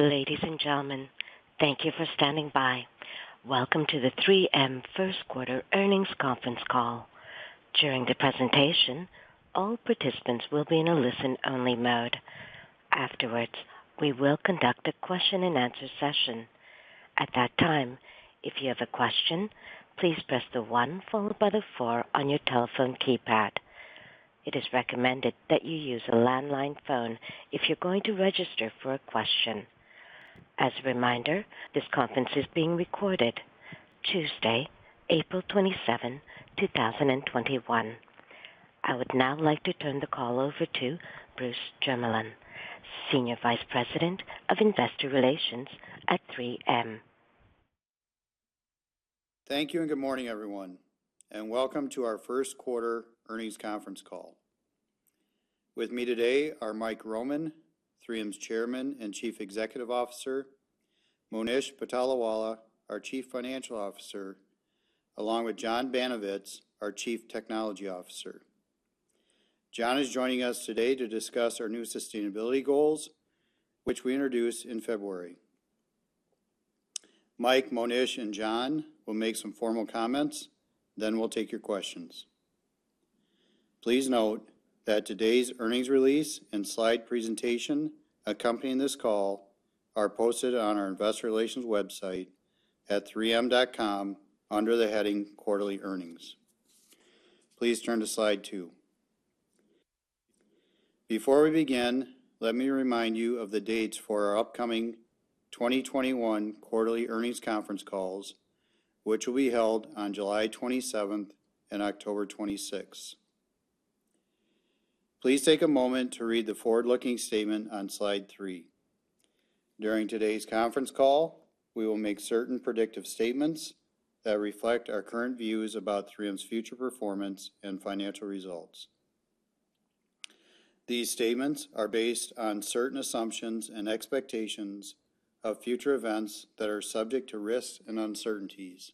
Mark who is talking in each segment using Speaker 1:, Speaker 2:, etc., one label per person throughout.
Speaker 1: Ladies and gentlemen, thank you for standing by. Welcome to the 3M First Quarter Earnings Conference Call. During the presentation, all participants will be in a listen-only mode. Afterwards, we will conduct a question-and-answer session. At that time, if you have a question, please press the one followed by the four on your telephone keypad. It is recommended that you use a landline phone if you're going to register for a question. As a reminder, this conference is being recorded Tuesday, April 27, 2021. I would now like to turn the call over to Bruce Jermeland, Senior Vice President of Investor Relations at 3M.
Speaker 2: Thank you, and good morning, everyone, and welcome to our first quarter earnings conference call. With me today are Mike Roman, 3M's Chairman and Chief Executive Officer, Monish Patolawala, our Chief Financial Officer, along with John Banovetz, our Chief Technology Officer. John is joining us today to discuss our new sustainability goals, which we introduced in February. Mike, Monish, and John will make some formal comments, then we'll take your questions. Please note that today's earnings release and slide presentation accompanying this call are posted on our investor relations website at 3m.com under the heading Quarterly Earnings. Please turn to slide two. Before we begin, let me remind you of the dates for our upcoming 2021 quarterly earnings conference calls, which will be held on July 27th and October 26th. Please take a moment to read the forward-looking statement on slide three. During today's conference call, we will make certain predictive statements that reflect our current views about 3M's future performance and financial results. These statements are based on certain assumptions and expectations of future events that are subject to risks and uncertainties.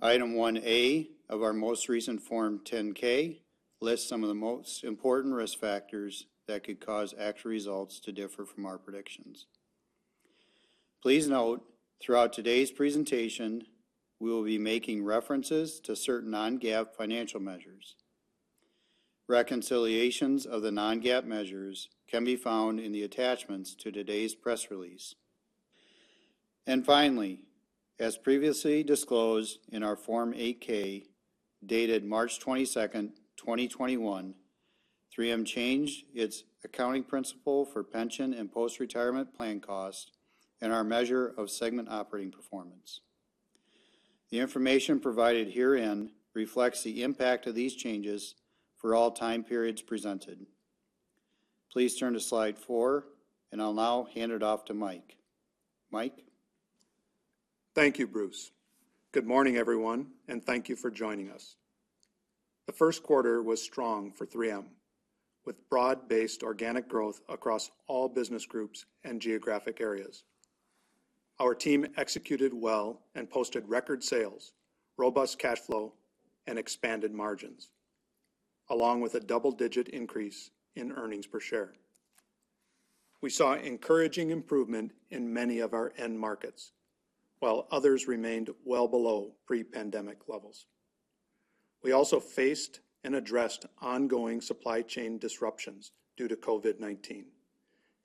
Speaker 2: Item 1A of our most recent Form 10-K lists some of the most important risk factors that could cause actual results to differ from our predictions. Please note throughout today's presentation, we will be making references to certain non-GAAP financial measures. Reconciliations of the non-GAAP measures can be found in the attachments to today's press release. Finally, as previously disclosed in our Form 8-K dated March 22nd, 2021, 3M changed its accounting principle for pension and post-retirement plan costs and our measure of segment operating performance. The information provided herein reflects the impact of these changes for all time periods presented. Please turn to slide four, and I'll now hand it off to Mike. Mike?
Speaker 3: Thank you, Bruce. Good morning, everyone, and thank you for joining us. The first quarter was strong for 3M, with broad-based organic growth across all business groups and geographic areas. Our team executed well and posted record sales, robust cash flow, and expanded margins, along with a double-digit increase in earnings per share. We saw encouraging improvement in many of our end markets, while others remained well below pre-pandemic levels. We also faced and addressed ongoing supply chain disruptions due to COVID-19,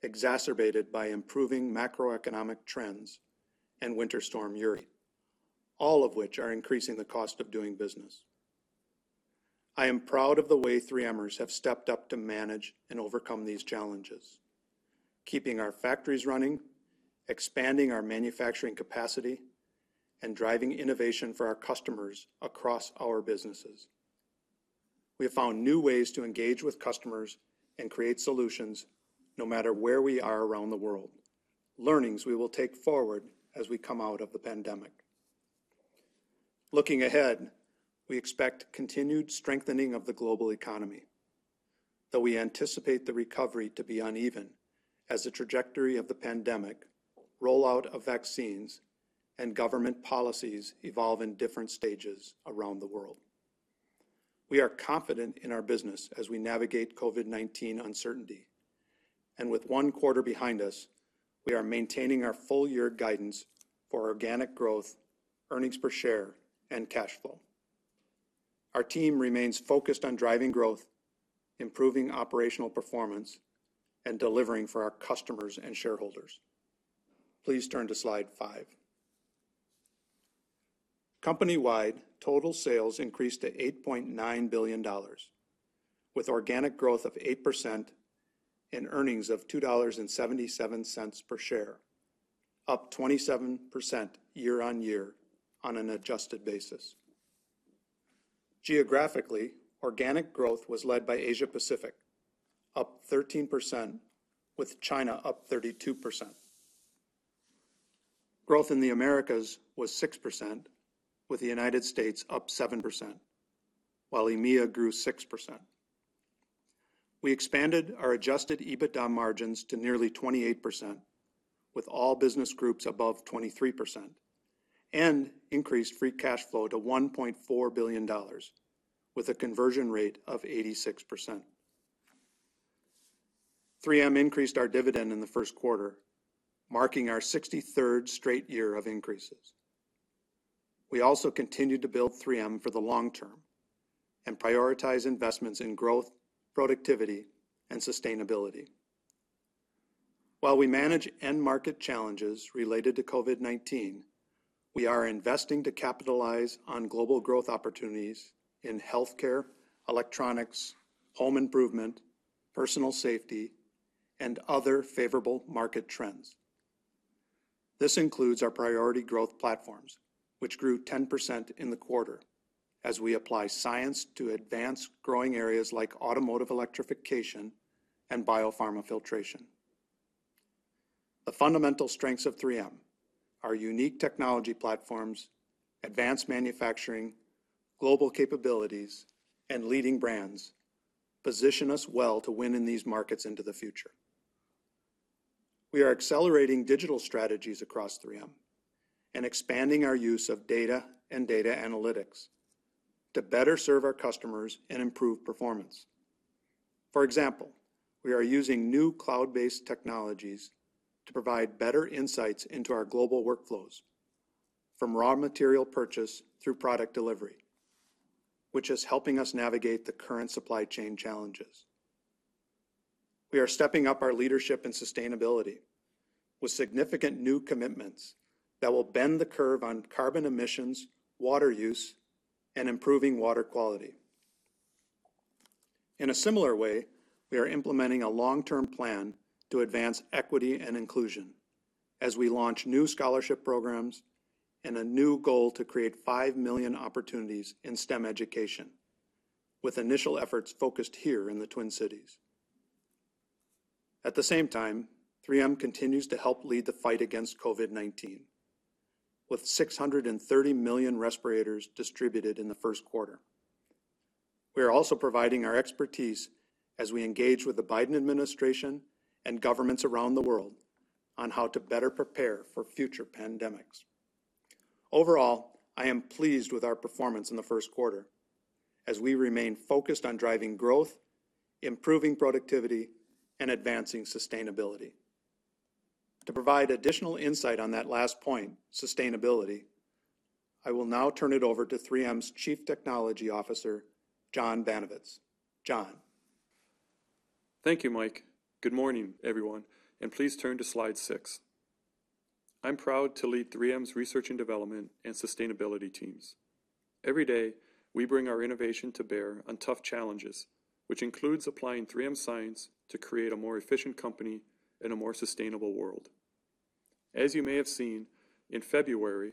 Speaker 3: exacerbated by improving macroeconomic trends and Winter Storm Uri, all of which are increasing the cost of doing business. I am proud of the way 3Mers have stepped up to manage and overcome these challenges, keeping our factories running, expanding our manufacturing capacity, and driving innovation for our customers across our businesses. We have found new ways to engage with customers and create solutions no matter where we are around the world, learnings we will take forward as we come out of the pandemic. Looking ahead, we expect continued strengthening of the global economy, though we anticipate the recovery to be uneven as the trajectory of the pandemic, rollout of vaccines, and government policies evolve in different stages around the world. We are confident in our business as we navigate COVID-19 uncertainty, and with one quarter behind us, we are maintaining our full year guidance for organic growth, earnings per share, and cash flow. Our team remains focused on driving growth, improving operational performance, and delivering for our customers and shareholders. Please turn to slide five. Company-wide total sales increased to $8.9 billion, with organic growth of 8% and earnings of $2.77 per share, up 27% year-on-year on an adjusted basis. Geographically, organic growth was led by Asia Pacific, up 13%, with China up 32%. Growth in the Americas was 6%, with the United States up 7%, while EMEA grew 6%. We expanded our adjusted EBITDA margins to nearly 28%, with all business groups above 23%, and increased free cash flow to $1.4 billion with a conversion rate of 86%. 3M increased our dividend in the first quarter, marking our 63rd straight year of increases. We also continued to build 3M for the long term and prioritize investments in growth, productivity, and sustainability. While we manage end market challenges related to COVID-19, we are investing to capitalize on global growth opportunities in healthcare, electronics, home improvement, personal safety, and other favorable market trends. This includes our Priority Growth Platforms, which grew 10% in the quarter as we apply science to advance growing areas like automotive electrification and biopharma filtration. The fundamental strengths of 3M, our unique technology platforms, advanced manufacturing, global capabilities, and leading brands position us well to win in these markets into the future. We are accelerating digital strategies across 3M and expanding our use of data and data analytics to better serve our customers and improve performance. For example, we are using new cloud-based technologies to provide better insights into our global workflows, from raw material purchase through product delivery, which is helping us navigate the current supply chain challenges. We are stepping up our leadership and sustainability with significant new commitments that will bend the curve on carbon emissions, water use, and improving water quality. In a similar way, we are implementing a long-term plan to advance equity and inclusion as we launch new scholarship programs and a new goal to create 5 million opportunities in STEM education, with initial efforts focused here in the Twin Cities. At the same time, 3M continues to help lead the fight against COVID-19, with 630 million respirators distributed in the first quarter. We are also providing our expertise as we engage with the Biden administration and governments around the world on how to better prepare for future pandemics. Overall, I am pleased with our performance in the first quarter as we remain focused on driving growth, improving productivity, and advancing sustainability. To provide additional insight on that last point, sustainability, I will now turn it over to 3M's Chief Technology Officer, John Banovetz. John.
Speaker 4: Thank you, Mike. Good morning, everyone, and please turn to slide six. I'm proud to lead 3M's research and development and sustainability teams. Every day, we bring our innovation to bear on tough challenges, which includes applying 3M science to create a more efficient company and a more sustainable world. As you may have seen, in February,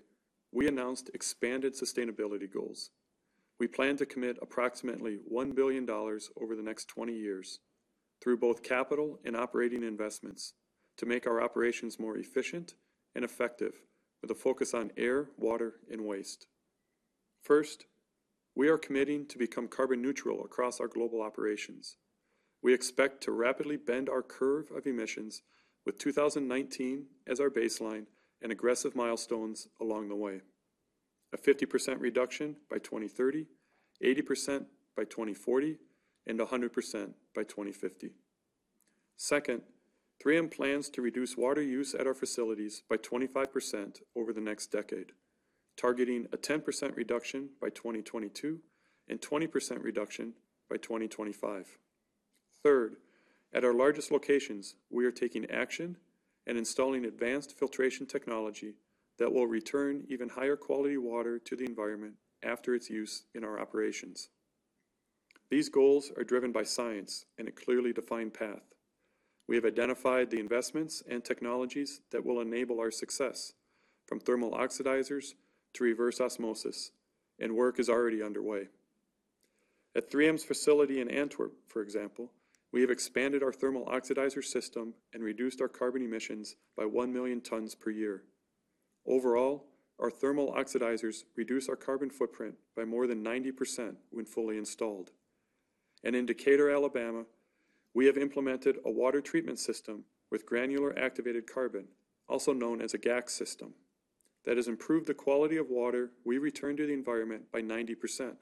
Speaker 4: we announced expanded sustainability goals. We plan to commit approximately $1 billion over the next 20 years through both capital and operating investments to make our operations more efficient and effective with a focus on air, water, and waste. First, we are committing to become carbon neutral across our global operations. We expect to rapidly bend our curve of emissions with 2019 as our baseline and aggressive milestones along the way, a 50% reduction by 2030, 80% by 2040, and 100% by 2050. 3M plans to reduce water use at our facilities by 25% over the next decade, targeting a 10% reduction by 2022 and 20% reduction by 2025. At our largest locations, we are taking action and installing advanced filtration technology that will return even higher-quality water to the environment after its use in our operations. These goals are driven by science and a clearly defined path. We have identified the investments and technologies that will enable our success from thermal oxidizers to reverse osmosis, and work is already underway. At 3M's facility in Antwerp, for example, we have expanded our thermal oxidizer system and reduced our carbon emissions by 1 million tons per year. Overall, our thermal oxidizers reduce our carbon footprint by more than 90% when fully installed. In Decatur, Alabama, we have implemented a water treatment system with granular activated carbon, also known as a GAC system, that has improved the quality of water we return to the environment by 90%.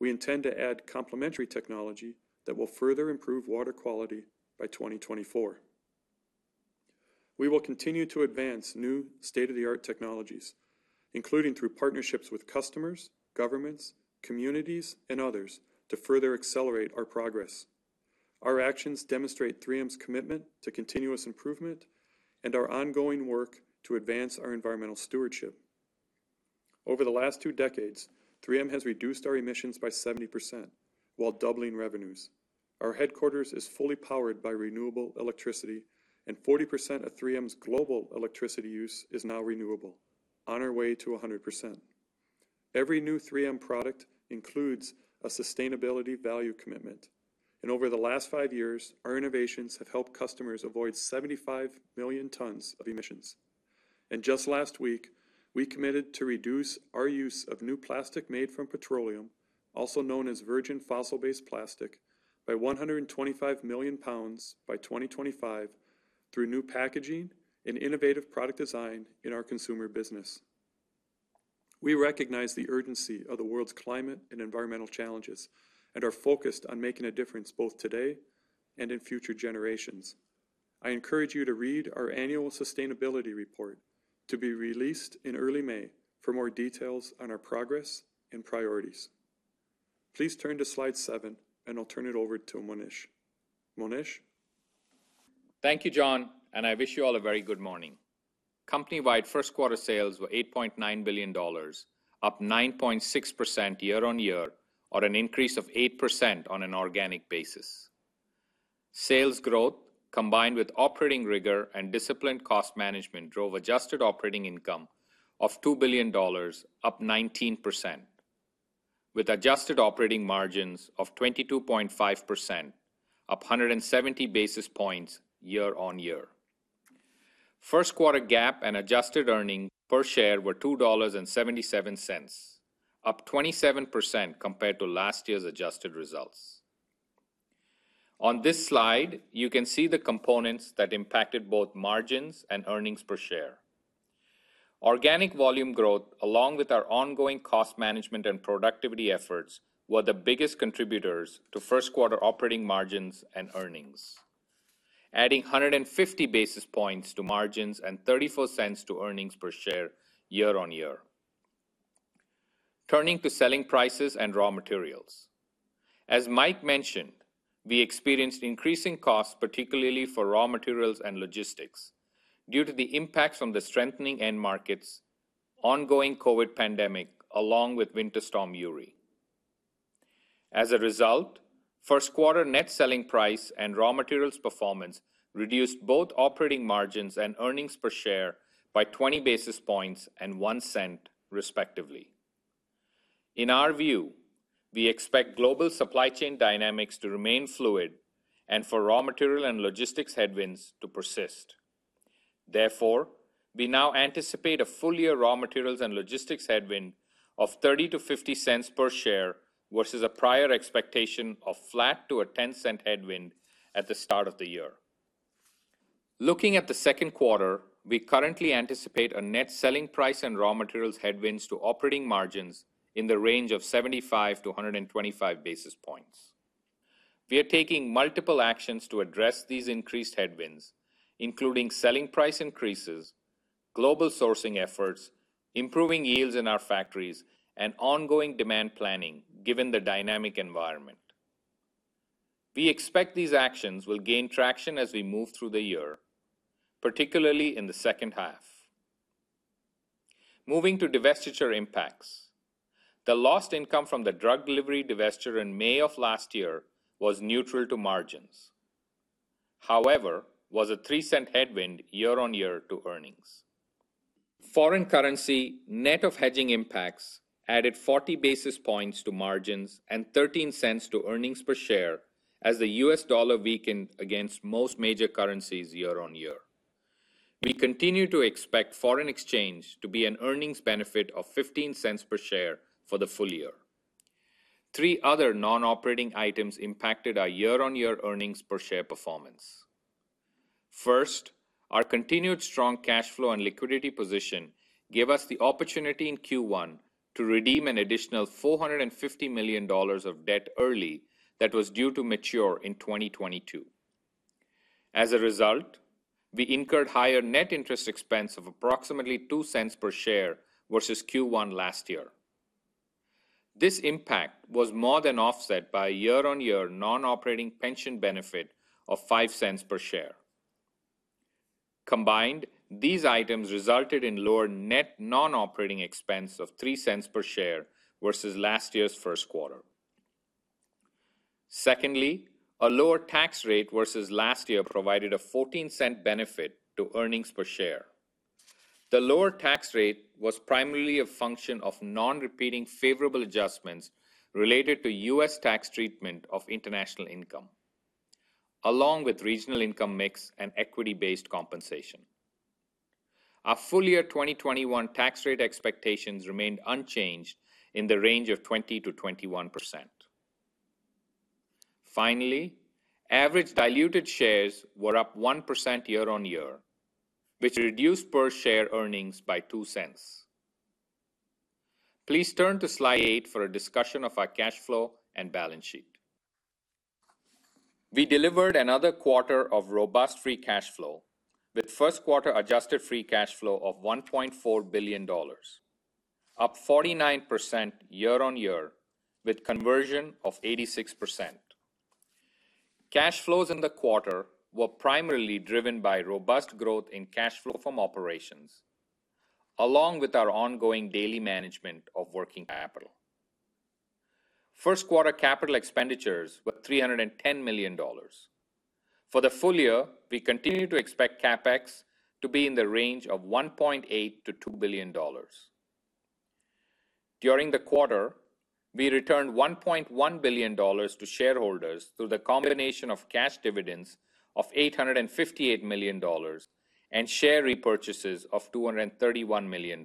Speaker 4: We intend to add complementary technology that will further improve water quality by 2024. We will continue to advance new state-of-the-art technologies, including through partnerships with customers, governments, communities, and others to further accelerate our progress. Our actions demonstrate 3M's commitment to continuous improvement and our ongoing work to advance our environmental stewardship. Over the last two decades, 3M has reduced our emissions by 70% while doubling revenues. Our headquarters is fully powered by renewable electricity, and 40% of 3M's global electricity use is now renewable, on our way to 100%. Every new 3M product includes a sustainability value commitment. Over the last five years, our innovations have helped customers avoid 75 million tons of emissions. Just last week, we committed to reduce our use of new plastic made from petroleum, also known as virgin fossil-based plastic, by 125 million pounds by 2025 through new packaging and innovative product design in our consumer business. We recognize the urgency of the world's climate and environmental challenges and are focused on making a difference both today and in future generations. I encourage you to read our annual sustainability report, to be released in early May, for more details on our progress and priorities. Please turn to slide seven, and I'll turn it over to Monish. Monish?
Speaker 5: Thank you, John, and I wish you all a very good morning. Company-wide first quarter sales were $8.9 billion, up 9.6% year-on-year, or an increase of 8% on an organic basis. Sales growth, combined with operating rigor and disciplined cost management, drove adjusted operating income of $2 billion, up 19%, with adjusted operating margins of 22.5%, up 170 basis points year-on-year. First quarter GAAP and adjusted earnings per share were $2.77, up 27% compared to last year's adjusted results. On this slide, you can see the components that impacted both margins and earnings per share. Organic volume growth, along with our ongoing cost management and productivity efforts, were the biggest contributors to first quarter operating margins and earnings, adding 150 basis points to margins and $0.34 to earnings per share year-on-year. Turning to selling prices and raw materials. As Mike mentioned, we experienced increasing costs, particularly for raw materials and logistics due to the impacts from the strengthening end markets, ongoing COVID pandemic, along with Winter Storm Uri. As a result, first quarter net selling price and raw materials performance reduced both operating margins and earnings per share by 20 basis points and $0.01, respectively. In our view, we expect global supply chain dynamics to remain fluid and for raw material and logistics headwinds to persist. Therefore, we now anticipate a full year raw materials and logistics headwind of $0.30-$0.50 per share versus a prior expectation of flat to a $0.10 headwind at the start of the year. Looking at the second quarter, we currently anticipate a net selling price and raw materials headwinds to operating margins in the range of 75-125 basis points. We are taking multiple actions to address these increased headwinds, including selling price increases, global sourcing efforts, improving yields in our factories, and ongoing demand planning, given the dynamic environment. We expect these actions will gain traction as we move through the year, particularly in the second half. Moving to divestiture impacts. The lost income from the Drug Delivery divestiture in May of last year was neutral to margins, however, was a $0.03 headwind year-on-year to earnings. Foreign currency net of hedging impacts added 40 basis points to margins and $0.13 to earnings per share as the U.S. dollar weakened against most major currencies year-on-year. We continue to expect foreign exchange to be an earnings benefit of $0.15 per share for the full year. Three other non-operating items impacted our year-on-year earnings per share performance. First, our continued strong cash flow and liquidity position gave us the opportunity in Q1 to redeem an additional $450 million of debt early that was due to mature in 2022. As a result, we incurred higher net interest expense of approximately $0.02 per share versus Q1 last year. This impact was more than offset by year on year non-operating pension benefit of $0.05 per share. Combined, these items resulted in lower net non-operating expense of $0.03 per share versus last year's first quarter. Secondly, a lower tax rate versus last year provided a $0.14 benefit to earnings per share. The lower tax rate was primarily a function of non-repeating favorable adjustments related to U.S. tax treatment of international income, along with regional income mix and equity-based compensation. Our full year 2021 tax rate expectations remained unchanged in the range of 20%-21%. Finally, average diluted shares were up 1% year-on-year, which reduced per share earnings by $0.02. Please turn to slide eight for a discussion of our cash flow and balance sheet. We delivered another quarter of robust free cash flow with first quarter adjusted free cash flow of $1.4 billion, up 49% year-on-year, with conversion of 86%. Cash flows in the quarter were primarily driven by robust growth in cash flow from operations, along with our ongoing daily management of working capital. First quarter capital expenditures were $310 million. For the full year, we continue to expect CapEx to be in the range of $1.8 billion-$2 billion. During the quarter, we returned $1.1 billion to shareholders through the combination of cash dividends of $858 million and share repurchases of $231 million.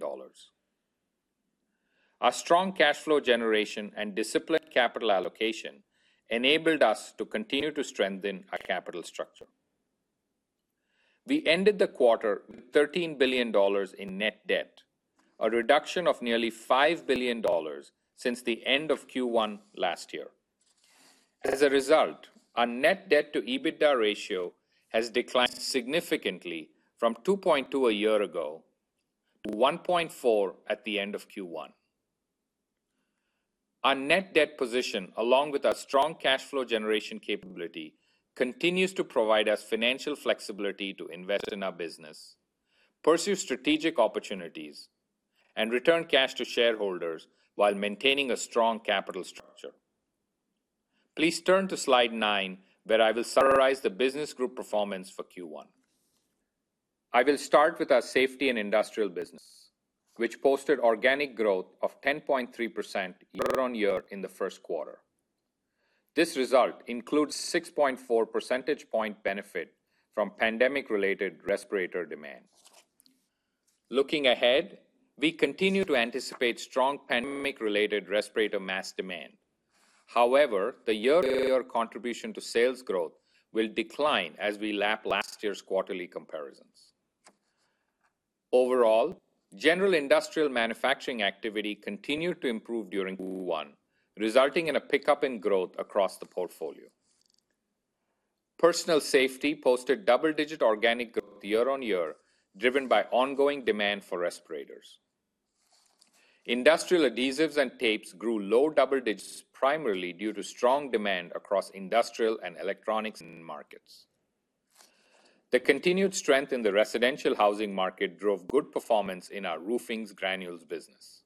Speaker 5: Our strong cash flow generation and disciplined capital allocation enabled us to continue to strengthen our capital structure. We ended the quarter with $13 billion in net debt, a reduction of nearly $5 billion since the end of Q1 last year. As a result, our net debt to EBITDA ratio has declined significantly from 2.2 a year ago to 1.4 at the end of Q1. Our net debt position, along with our strong cash flow generation capability, continues to provide us financial flexibility to invest in our business, pursue strategic opportunities, and return cash to shareholders while maintaining a strong capital structure. Please turn to Slide nine, where I will summarize the business group performance for Q1. I will start with our safety and industrial business, which posted organic growth of 10.3% year-on-year in the first quarter. This result includes a 6.4 percentage point benefit from pandemic-related respirator demand. Looking ahead, we continue to anticipate strong pandemic-related respirator mask demand. However, the year-on-year contribution to sales growth will decline as we lap last year's quarterly comparisons. Overall, general industrial manufacturing activity continued to improve during Q1, resulting in a pickup in growth across the portfolio. Personal safety posted double-digit organic growth year-on-year, driven by ongoing demand for respirators. Industrial adhesives and tapes grew low double digits primarily due to strong demand across industrial and electronics end markets. The continued strength in the residential housing market drove good performance in our roofing granules business,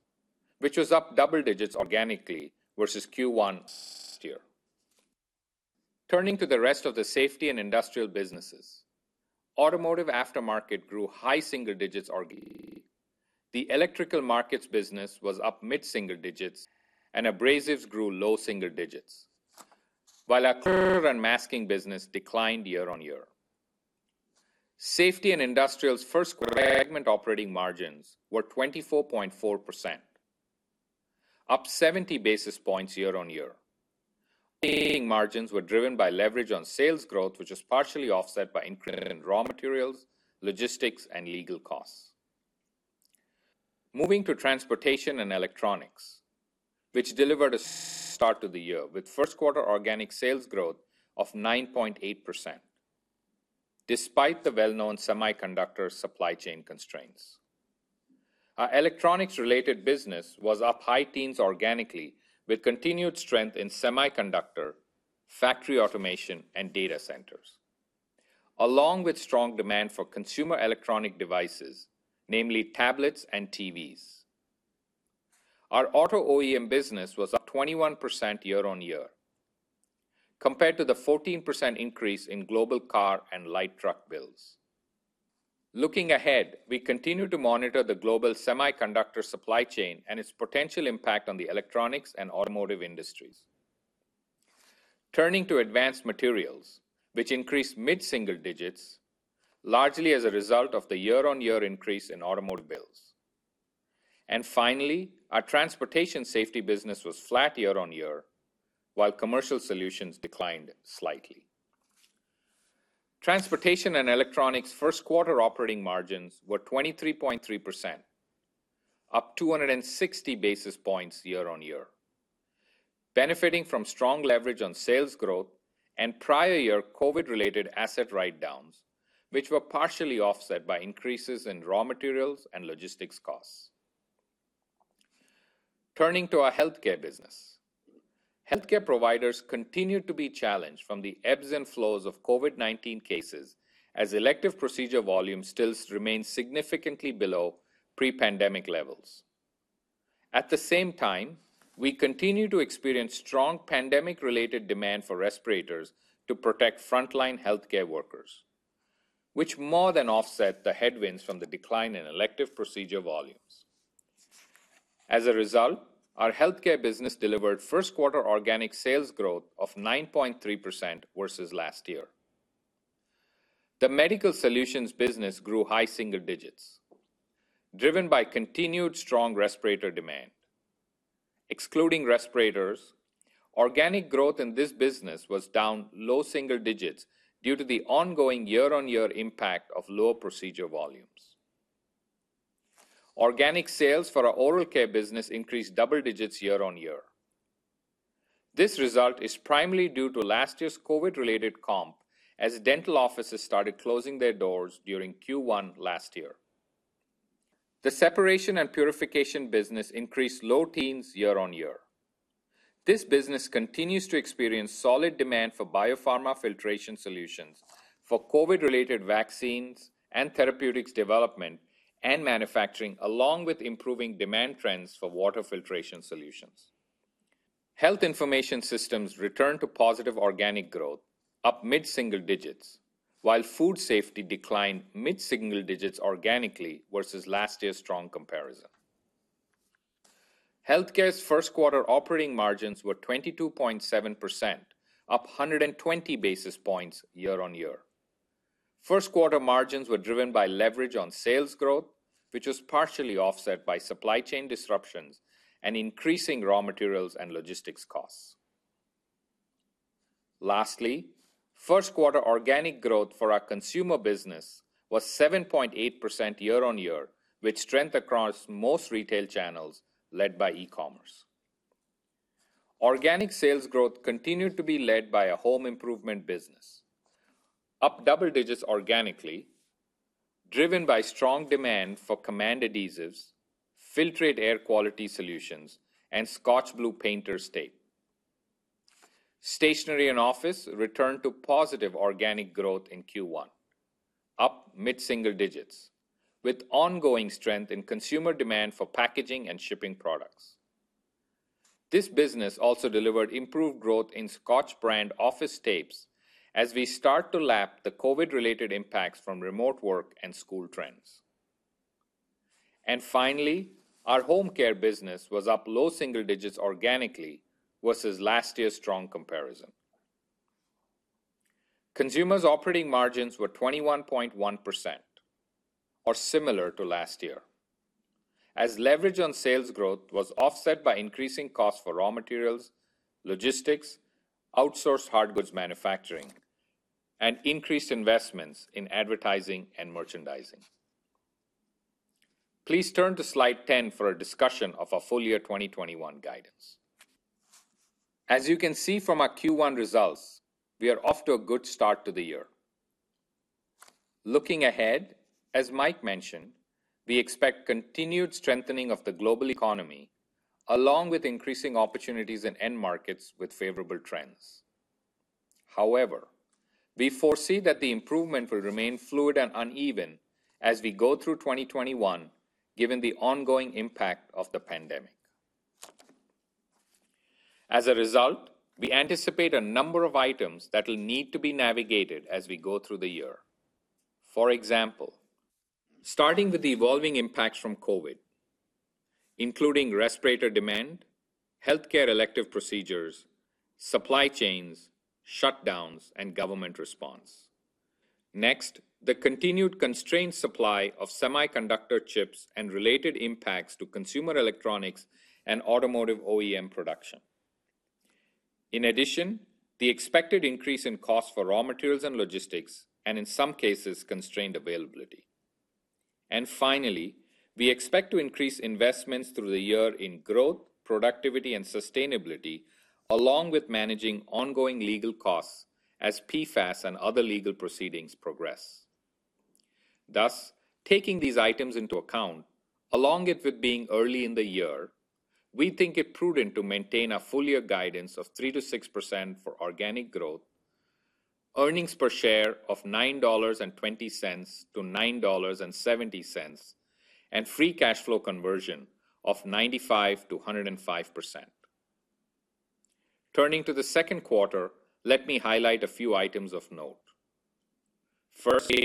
Speaker 5: which was up double digits organically versus Q1 last year. Turning to the rest of the safety and industrial businesses, automotive aftermarket grew high single digits organically. The electrical markets business was up mid-single digits, and abrasives grew low single digits. Our clear and masking business declined year-on-year. Safety and Industrial's first quarter segment operating margins were 24.4%, up 70 basis points year-on-year. Operating margins were driven by leverage on sales growth, which was partially offset by increases in raw materials, logistics, and legal costs. Moving to Transportation and Electronics, which delivered a strong start to the year with first quarter organic sales growth of 9.8%, despite the well-known semiconductor supply chain constraints. Our electronics-related business was up high teens organically, with continued strength in semiconductor, factory automation, and data centers, along with strong demand for consumer electronic devices, namely tablets and TVs. Our auto OEM business was up 21% year-on-year, compared to the 14% increase in global car and light truck builds. Looking ahead, we continue to monitor the global semiconductor supply chain and its potential impact on the electronics and automotive industries. Turning to Advanced Materials, which increased mid-single digits, largely as a result of the year-on-year increase in automotive builds. Finally, our Transportation Safety business was flat year-on-year, while Commercial Solutions declined slightly. Transportation and Electronics first quarter operating margins were 23.3%, up 260 basis points year-on-year, benefiting from strong leverage on sales growth and prior year COVID-related asset write-downs, which were partially offset by increases in raw materials and logistics costs. Turning to our Healthcare business. Healthcare providers continue to be challenged from the ebbs and flows of COVID-19 cases as elective procedure volume still remains significantly below pre-pandemic levels. At the same time, we continue to experience strong pandemic-related demand for respirators to protect frontline healthcare workers, which more than offset the headwinds from the decline in elective procedure volumes. As a result, our Healthcare business delivered first quarter organic sales growth of 9.3% versus last year. The Medical Solutions business grew high single digits, driven by continued strong respirator demand. Excluding respirators, organic growth in this business was down low single digits due to the ongoing year-on-year impact of lower procedure volumes. Organic sales for our Oral Care business increased double digits year-on-year. This result is primarily due to last year's COVID-related comp as dental offices started closing their doors during Q1 last year. The Separation and Purification business increased low teens year-on-year. This business continues to experience solid demand for biopharma filtration solutions for COVID-related vaccines and therapeutics development and manufacturing, along with improving demand trends for water filtration solutions. Health information systems returned to positive organic growth, up mid-single digits, while Food Safety declined mid-single digits organically versus last year's strong comparison. Healthcare's first quarter operating margins were 22.7%, up 120 basis points year-on-year. First quarter margins were driven by leverage on sales growth, which was partially offset by supply chain disruptions and increasing raw materials and logistics costs. Lastly, first quarter organic growth for our consumer business was 7.8% year-on-year, with strength across most retail channels led by e-commerce. Organic sales growth continued to be led by our home improvement business, up double digits organically, driven by strong demand for Command adhesives, Filtrete air quality solutions, and ScotchBlue Painter's Tape. Stationery and office returned to positive organic growth in Q1, up mid-single digits, with ongoing strength in consumer demand for packaging and shipping products. This business also delivered improved growth in Scotch brand office tapes as we start to lap the COVID-related impacts from remote work and school trends. Finally, our home care business was up low single digits organically versus last year's strong comparison. Consumer operating margins were 21.1%, or similar to last year, as leverage on sales growth was offset by increasing costs for raw materials, logistics, outsourced hard goods manufacturing, and increased investments in advertising and merchandising. Please turn to slide 10 for a discussion of our full-year 2021 guidance. As you can see from our Q1 results, we are off to a good start to the year. Looking ahead, as Mike mentioned, we expect continued strengthening of the global economy, along with increasing opportunities in end markets with favorable trends. We foresee that the improvement will remain fluid and uneven as we go through 2021 given the ongoing impact of the pandemic. We anticipate a number of items that will need to be navigated as we go through the year. For example, starting with the evolving impacts from COVID-19, including respirator demand, healthcare elective procedures, supply chains, shutdowns, and government response. Next, the continued constrained supply of semiconductor chips and related impacts to consumer electronics and automotive OEM production. In addition, the expected increase in cost for raw materials and logistics, and in some cases, constrained availability. Finally, we expect to increase investments through the year in growth, productivity, and sustainability, along with managing ongoing legal costs as PFAS and other legal proceedings progress. Taking these items into account, along with it being early in the year, we think it prudent to maintain our full-year guidance of 3%-6% for organic growth, earnings per share of $9.20-$9.70, and free cash flow conversion of 95%-105%. Turning to the second quarter, let me highlight a few items of note. First, we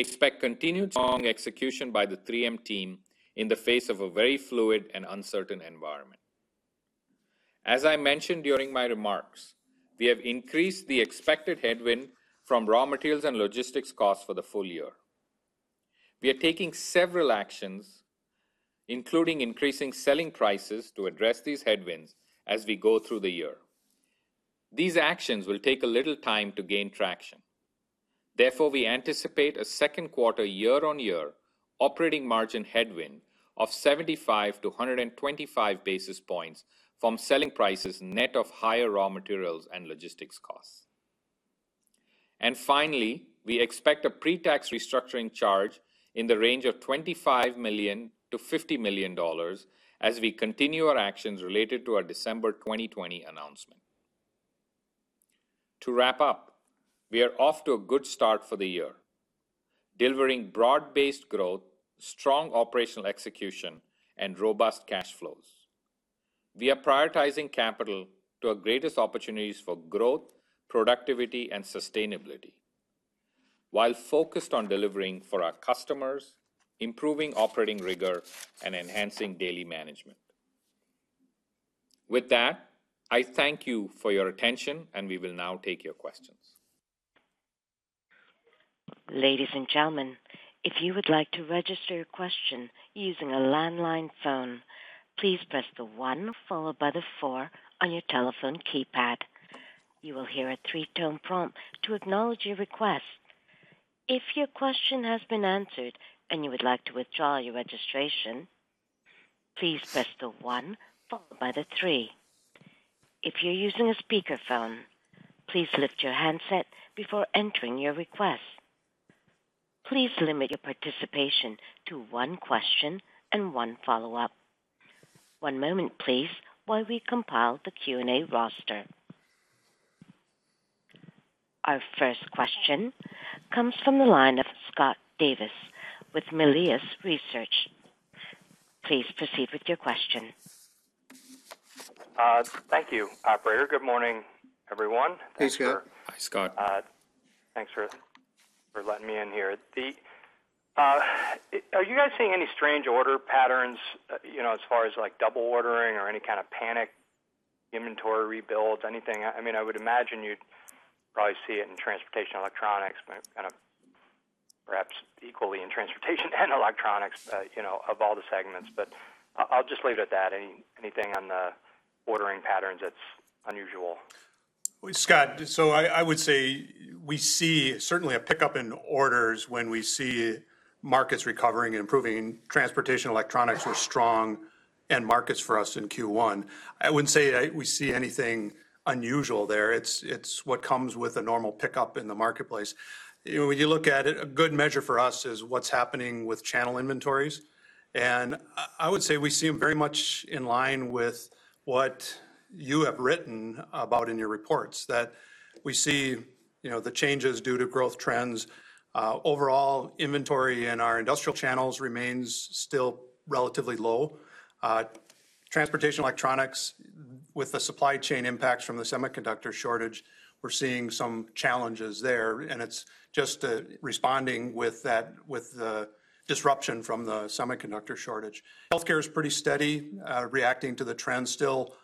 Speaker 5: expect continued strong execution by the 3M team in the face of a very fluid and uncertain environment. As I mentioned during my remarks, we have increased the expected headwind from raw materials and logistics costs for the full year. We are taking several actions, including increasing selling prices to address these headwinds as we go through the year. These actions will take a little time to gain traction. Therefore, we anticipate a second quarter year-on-year operating margin headwind of 75-125 basis points from selling prices net of higher raw materials and logistics costs. Finally, we expect a pre-tax restructuring charge in the range of $25 million-$50 million as we continue our actions related to our December 2020 announcement. To wrap up, we are off to a good start for the year, delivering broad-based growth, strong operational execution, and robust cash flows. We are prioritizing capital to our greatest opportunities for growth, productivity, and sustainability while focused on delivering for our customers, improving operating rigor, and enhancing daily management. With that, I thank you for your attention, and we will now take your questions.
Speaker 1: Ladies and Gentlemen. If you would like to register a question using a landline phone. Please press the one followed by the four on your telephone keypad. You will hear a three tone prompt to acknowledge your request. If your question has been answered and you would like to withdraw your registration. Please press the one followed by the three. If you're using speaker phone, please lift your handset before entering your request. Please limit your participation to one question and one follow up. One moment please while we compile the Q&A roster. Our first question comes from the line of Scott Davis with Melius Research. Please proceed with your question.
Speaker 6: Thank you, operator. Good morning, everyone.
Speaker 3: Hey, Scott.
Speaker 5: Hi, Scott.
Speaker 6: Thanks for letting me in here. Are you guys seeing any strange order patterns as far as double ordering or any kind of panic inventory rebuilds, anything? I would imagine you'd probably see it in transportation electronics, but kind of perhaps equally in transportation and electronics, of all the segments. I'll just leave it at that. Anything on the ordering patterns that's unusual?
Speaker 3: Scott, I would say we see certainly a pickup in orders when we see markets recovering and improving. Transportation electronics were strong end markets for us in Q1. I wouldn't say we see anything unusual there. It's what comes with a normal pickup in the marketplace. When you look at it, a good measure for us is what's happening with channel inventories. I would say we seem very much in line with what you have written about in your reports, that we see the changes due to growth trends. Overall inventory in our industrial channels remains still relatively low. Transportation electronics with the supply chain impacts from the semiconductor shortage, we're seeing some challenges there, and it's just responding with the disruption from the semiconductor shortage. Healthcare is pretty steady, reacting to the trends, still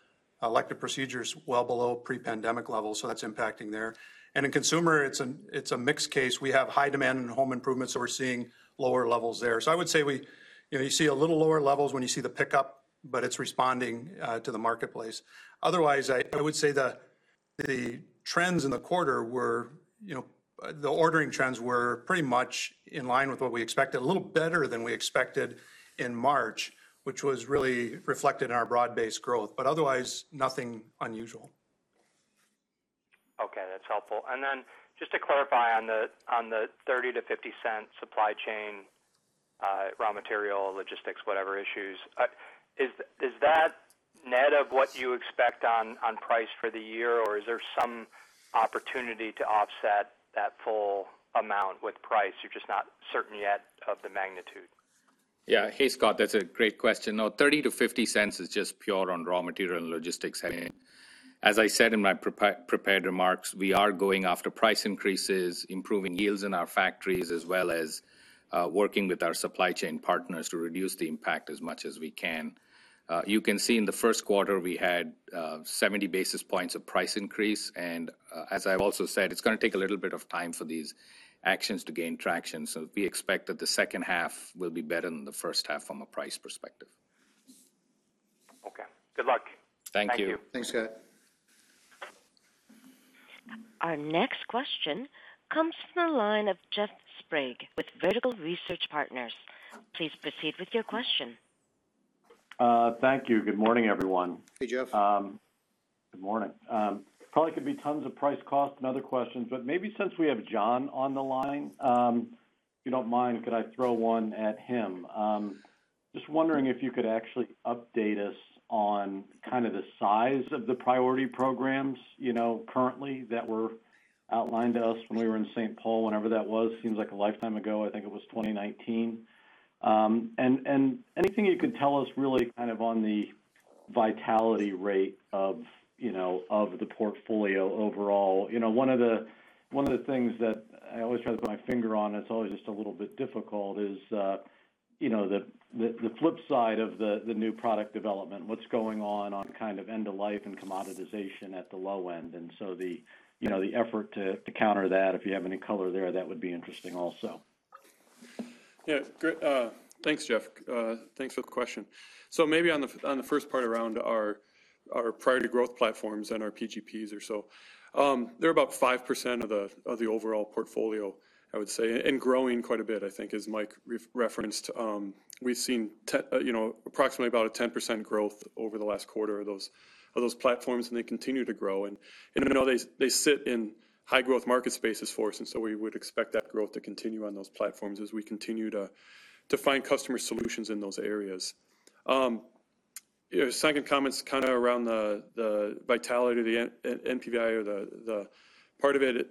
Speaker 3: elective procedures well below pre-pandemic levels, that's impacting there. In consumer, it's a mixed case. We have high demand in home improvement, so we're seeing lower levels there. I would say you see a little lower levels when you see the pickup, but it's responding to the marketplace. Otherwise, I would say the trends in the quarter, the ordering trends were pretty much in line with what we expected, a little better than we expected in March, which was really reflected in our broad-based growth, but otherwise nothing unusual.
Speaker 6: Okay, that's helpful. Then just to clarify on the $0.30-$0.50 supply chain, raw material, logistics, whatever issues. Is that net of what you expect on price for the year, or is there some opportunity to offset that full amount with price, you're just not certain yet of the magnitude?
Speaker 5: Yeah. Hey, Scott. That's a great question. $0.30-$0.50 is just pure on raw material and logistics. As I said in my prepared remarks, we are going after price increases, improving yields in our factories, as well as working with our supply chain partners to reduce the impact as much as we can. You can see in the first quarter, we had 70 basis points of price increase, and, as I've also said, it's going to take a little bit of time for these actions to gain traction. We expect that the second half will be better than the first half from a price perspective.
Speaker 6: Okay. Good luck.
Speaker 5: Thank you.
Speaker 3: Thanks, Scott.
Speaker 1: Our next question comes from the line of Jeff Sprague with Vertical Research Partners. Please proceed with your question.
Speaker 7: Thank you. Good morning, everyone.
Speaker 3: Hey, Jeff.
Speaker 7: Good morning. Probably could be tons of price, cost, and other questions, but maybe since we have John on the line, if you don't mind, could I throw one at him? Just wondering if you could actually update us on kind of the size of the priority programs currently that were outlined to us when we were in St. Paul, whenever that was. Seems like a lifetime ago. I think it was 2019. Anything you could tell us really on the vitality rate of the portfolio overall. One of the things that I always try to put my finger on that's always just a little bit difficult is the flip side of the new product development, what's going on on kind of end of life and commoditization at the low end. The effort to counter that, if you have any color there, that would be interesting also.
Speaker 4: Thanks, Jeff Sprague. Thanks for the question. Maybe on the first part around our Priority Growth Platforms and our PGPs or so. They're about 5% of the overall portfolio, I would say, and growing quite a bit, I think, as Mike referenced. We've seen approximately about a 10% growth over the last quarter of those platforms, and they continue to grow. They sit in high growth market spaces for us, and so we would expect that growth to continue on those platforms as we continue to find customer solutions in those areas. Second comment's kind of around the vitality of the NPVI or the part of it.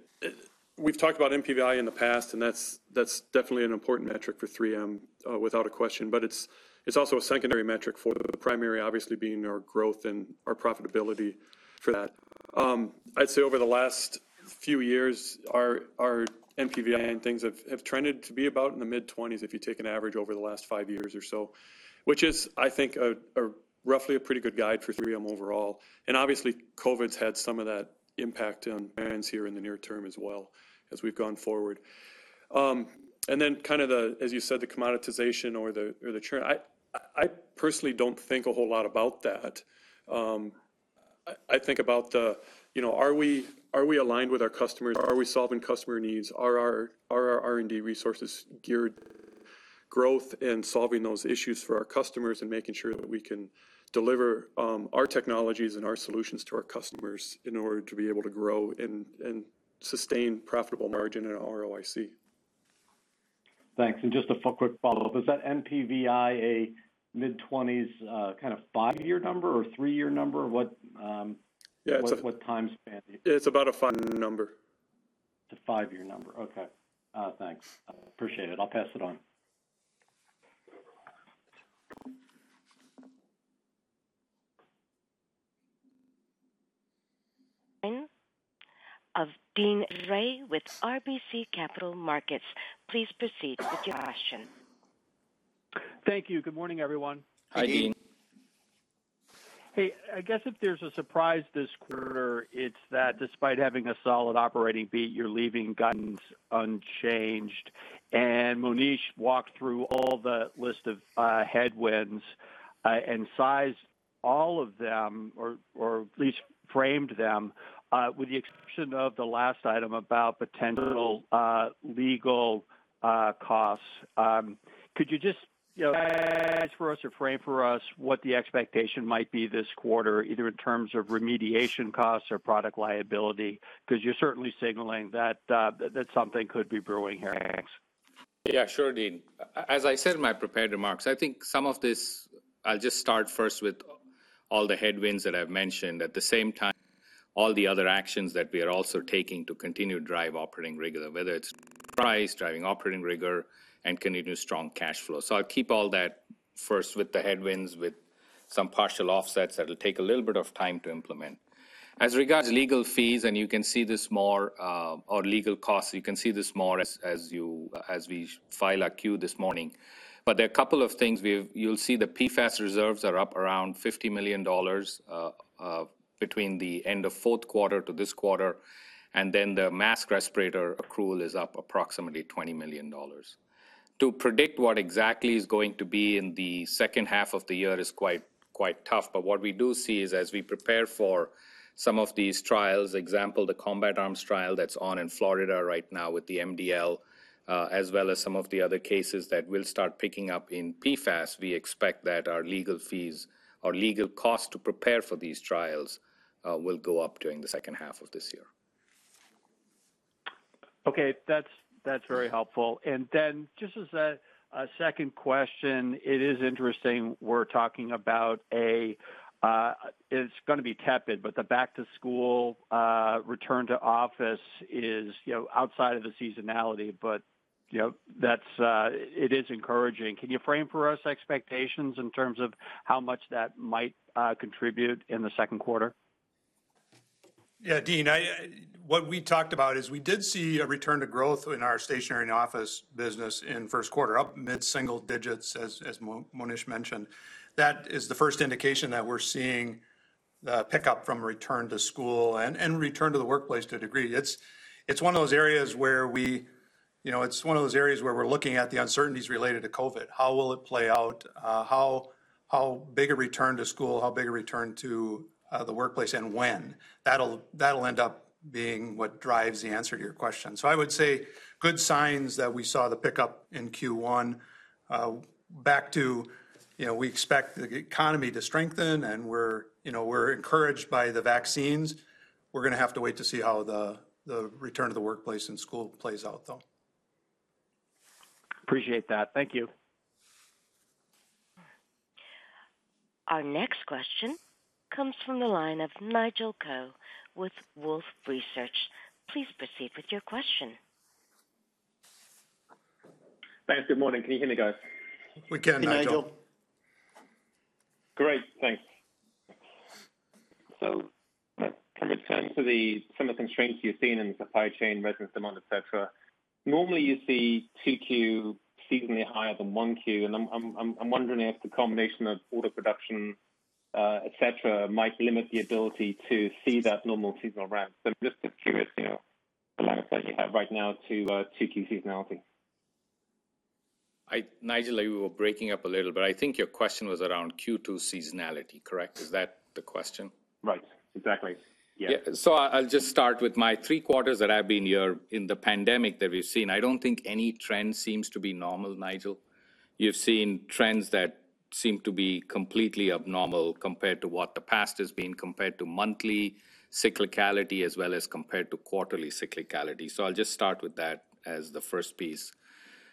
Speaker 4: We've talked about NPVI in the past, and that's definitely an important metric for 3M without a question, but it's also a secondary metric for the primary, obviously being our growth and our profitability for that. I'd say over the last few years, our NPVI and things have trended to be about in the mid-20s if you take an average over the last five years or so, which is, I think, roughly a pretty good guide for 3M overall. Obviously, COVID's had some of that impact on trends here in the near term as well as we've gone forward. Then kind of the, as you said, the commoditization or the churn, I personally don't think a whole lot about that. I think about are we aligned with our customers? Are we solving customer needs? Are our R&D resources geared growth and solving those issues for our customers and making sure that we can deliver our technologies and our solutions to our customers in order to be able to grow and sustain profitable margin and ROIC?
Speaker 7: Thanks. Just a quick follow-up, is that NPVI a mid-20s kind of five-year number or three-year number?
Speaker 3: Yeah,
Speaker 7: What time span are you-?
Speaker 4: It's about a five-year number.
Speaker 7: It's a five-year number. Okay. Thanks. I appreciate it. I'll pass it on.
Speaker 1: Line of Deane Dray with RBC Capital Markets. Please proceed with your question.
Speaker 8: Thank you. Good morning, everyone.
Speaker 3: Hi, Deane.
Speaker 8: Hey, I guess if there's a surprise this quarter, it's that despite having a solid operating beat, you're leaving guidance unchanged. Monish walked through all the list of headwinds, and sized all of them, or at least framed them, with the exception of the last item about potential legal costs. Could you just summarize for us or frame for us what the expectation might be this quarter, either in terms of remediation costs or product liability, because you're certainly signaling that something could be brewing here, thanks.
Speaker 5: Yeah, sure, Deane. As I said in my prepared remarks, I think some of this, I'll just start first with all the headwinds that I've mentioned. At the same time, all the other actions that we are also taking to continue to drive operating rigor, whether it's price, driving operating rigor, and continue strong cash flow. I'll keep all that first with the headwinds, with some partial offsets that'll take a little bit of time to implement. As regards legal fees, you can see this more, or legal costs, you can see this more as we file our Q this morning. There are a couple of things. You'll see the PFAS reserves are up around $50 million, between the end of fourth quarter to this quarter, the mask respirator accrual is up approximately $20 million. To predict what exactly is going to be in the second half of the year is quite tough. What we do see is, as we prepare for some of these trials, example, the Combat Arms trial that's on in Florida right now with the MDL, as well as some of the other cases that will start picking up in PFAS, we expect that our legal fees or legal costs to prepare for these trials will go up during the second half of this year.
Speaker 8: Okay. That's very helpful. Just as a second question, it is interesting we're talking about it's going to be tepid, the back-to-school, return to office is outside of the seasonality. It is encouraging. Can you frame for us expectations in terms of how much that might contribute in the second quarter?
Speaker 3: Deane, what we talked about is we did see a return to growth in our stationary and office business in first quarter, up mid-single digits, as Monish mentioned. That is the first indication that we're seeing the pickup from return to school and return to the workplace to a degree. It's one of those areas where we're looking at the uncertainties related to COVID. How will it play out, how big a return to school, how big a return to the workplace, and when? That'll end up being what drives the answer to your question. I would say good signs that we saw the pickup in Q1. Back to we expect the economy to strengthen and we're encouraged by the vaccines. We're going to have to wait to see how the return to the workplace and school plays out, though.
Speaker 8: Appreciate that. Thank you.
Speaker 1: Our next question comes from the line of Nigel Coe with Wolfe Research. Please proceed with your question.
Speaker 9: Thanks. Good morning. Can you hear me, guys?
Speaker 3: We can, Nigel.
Speaker 5: We can, Nigel.
Speaker 9: Great. Thanks. Can we turn to the some of the constraints you're seeing in the supply chain, resin demand, et cetera. Normally, you see 2Q seasonally higher than 1Q, and I'm wondering if the combination of order production, et cetera, might limit the ability to see that normal seasonal ramp. Just curious the plans that you have right now to 2Q seasonality.
Speaker 5: Nigel, you were breaking up a little bit. I think your question was around Q2 seasonality, correct? Is that the question?
Speaker 9: Right. Exactly. Yeah.
Speaker 5: I'll just start with my three quarters that I've been here in the pandemic that we've seen, I don't think any trend seems to be normal, Nigel. You've seen trends that seem to be completely abnormal compared to what the past has been, compared to monthly cyclicality, as well as compared to quarterly cyclicality. I'll just start with that as the first piece.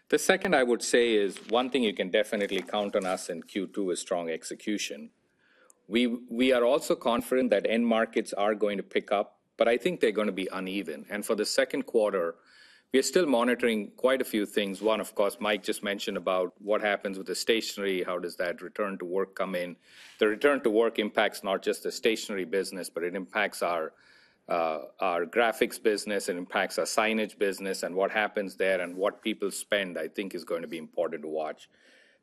Speaker 5: The second I would say is, one thing you can definitely count on us in Q2 is strong execution. We are also confident that end markets are going to pick up, but I think they're going to be uneven. For the second quarter, we are still monitoring quite a few things. One, of course, Mike just mentioned about what happens with the stationery, how does that return to work come in? The return to work impacts not just the stationery business, but it impacts our graphics business, it impacts our signage business. What happens there and what people spend, I think is going to be important to watch.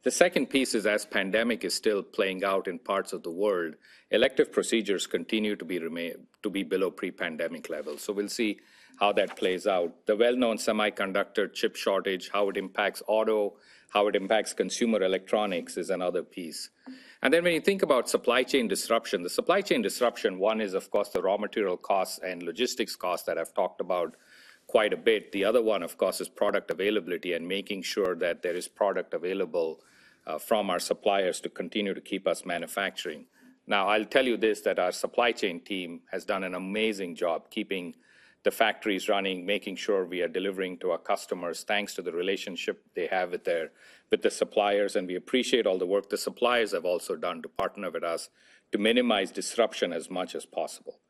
Speaker 5: The second piece is as pandemic is still playing out in parts of the world, elective procedures continue to be below pre-pandemic levels. We'll see how that plays out. The well-known semiconductor chip shortage, how it impacts auto, how it impacts consumer electronics is another piece. When you think about supply chain disruption, the supply chain disruption, one is of course the raw material costs and logistics costs that I've talked about quite a bit. The other one, of course, is product availability and making sure that there is product available from our suppliers to continue to keep us manufacturing. I'll tell you this, that our supply chain team has done an amazing job keeping the factories running, making sure we are delivering to our customers, thanks to the relationship they have with the suppliers, and we appreciate all the work the suppliers have also done to partner with us to minimize disruption as much as possible.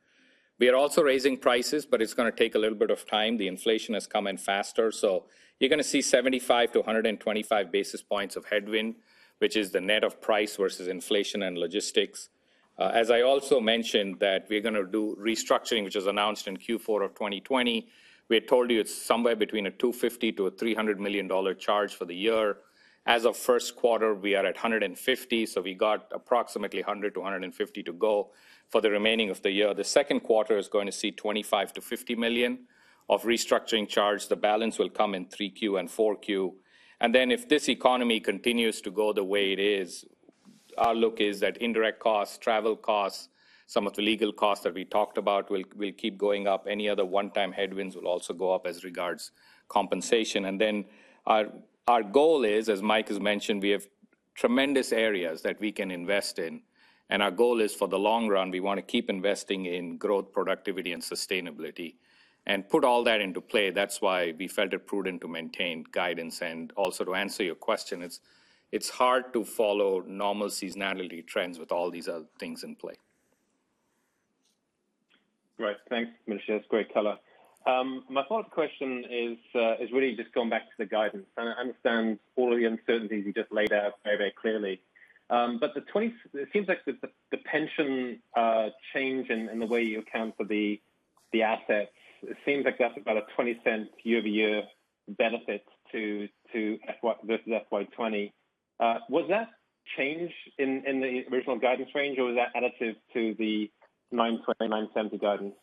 Speaker 5: We are also raising prices, but it's going to take a little bit of time. The inflation has come in faster. You're going to see 75-125 basis points of headwind, which is the net of price versus inflation and logistics. As I also mentioned, that we're going to do restructuring, which was announced in Q4 of 2020. We had told you it's somewhere between a $250 million-$300 million charge for the year. As of first quarter, we are at $150, so we got approximately $100-$150 to go for the remaining of the year. The second quarter is going to see $5 million-$50 million of restructuring charge. The balance will come in 3Q and 4Q. If this economy continues to go the way it is, our look is that indirect costs, travel costs, some of the legal costs that we talked about, will keep going up. Any other one-time headwinds will also go up as regards compensation. Our goal is, as Mike has mentioned, we have tremendous areas that we can invest in, and our goal is for the long run, we want to keep investing in growth, productivity, and sustainability and put all that into play. That's why we felt it prudent to maintain guidance and also to answer your question, it's hard to follow normal seasonality trends with all these other things in play.
Speaker 9: Great. Thanks, Monish. That's great color. My fourth question is really just going back to the guidance, and I understand all of the uncertainties you just laid out very clearly. It seems like the pension change and the way you account for the assets, it seems like that's about a $0.20 year-over-year benefit versus FY 2020. Was that change in the original guidance range or was that additive to the $9.20-$9.70 guidance?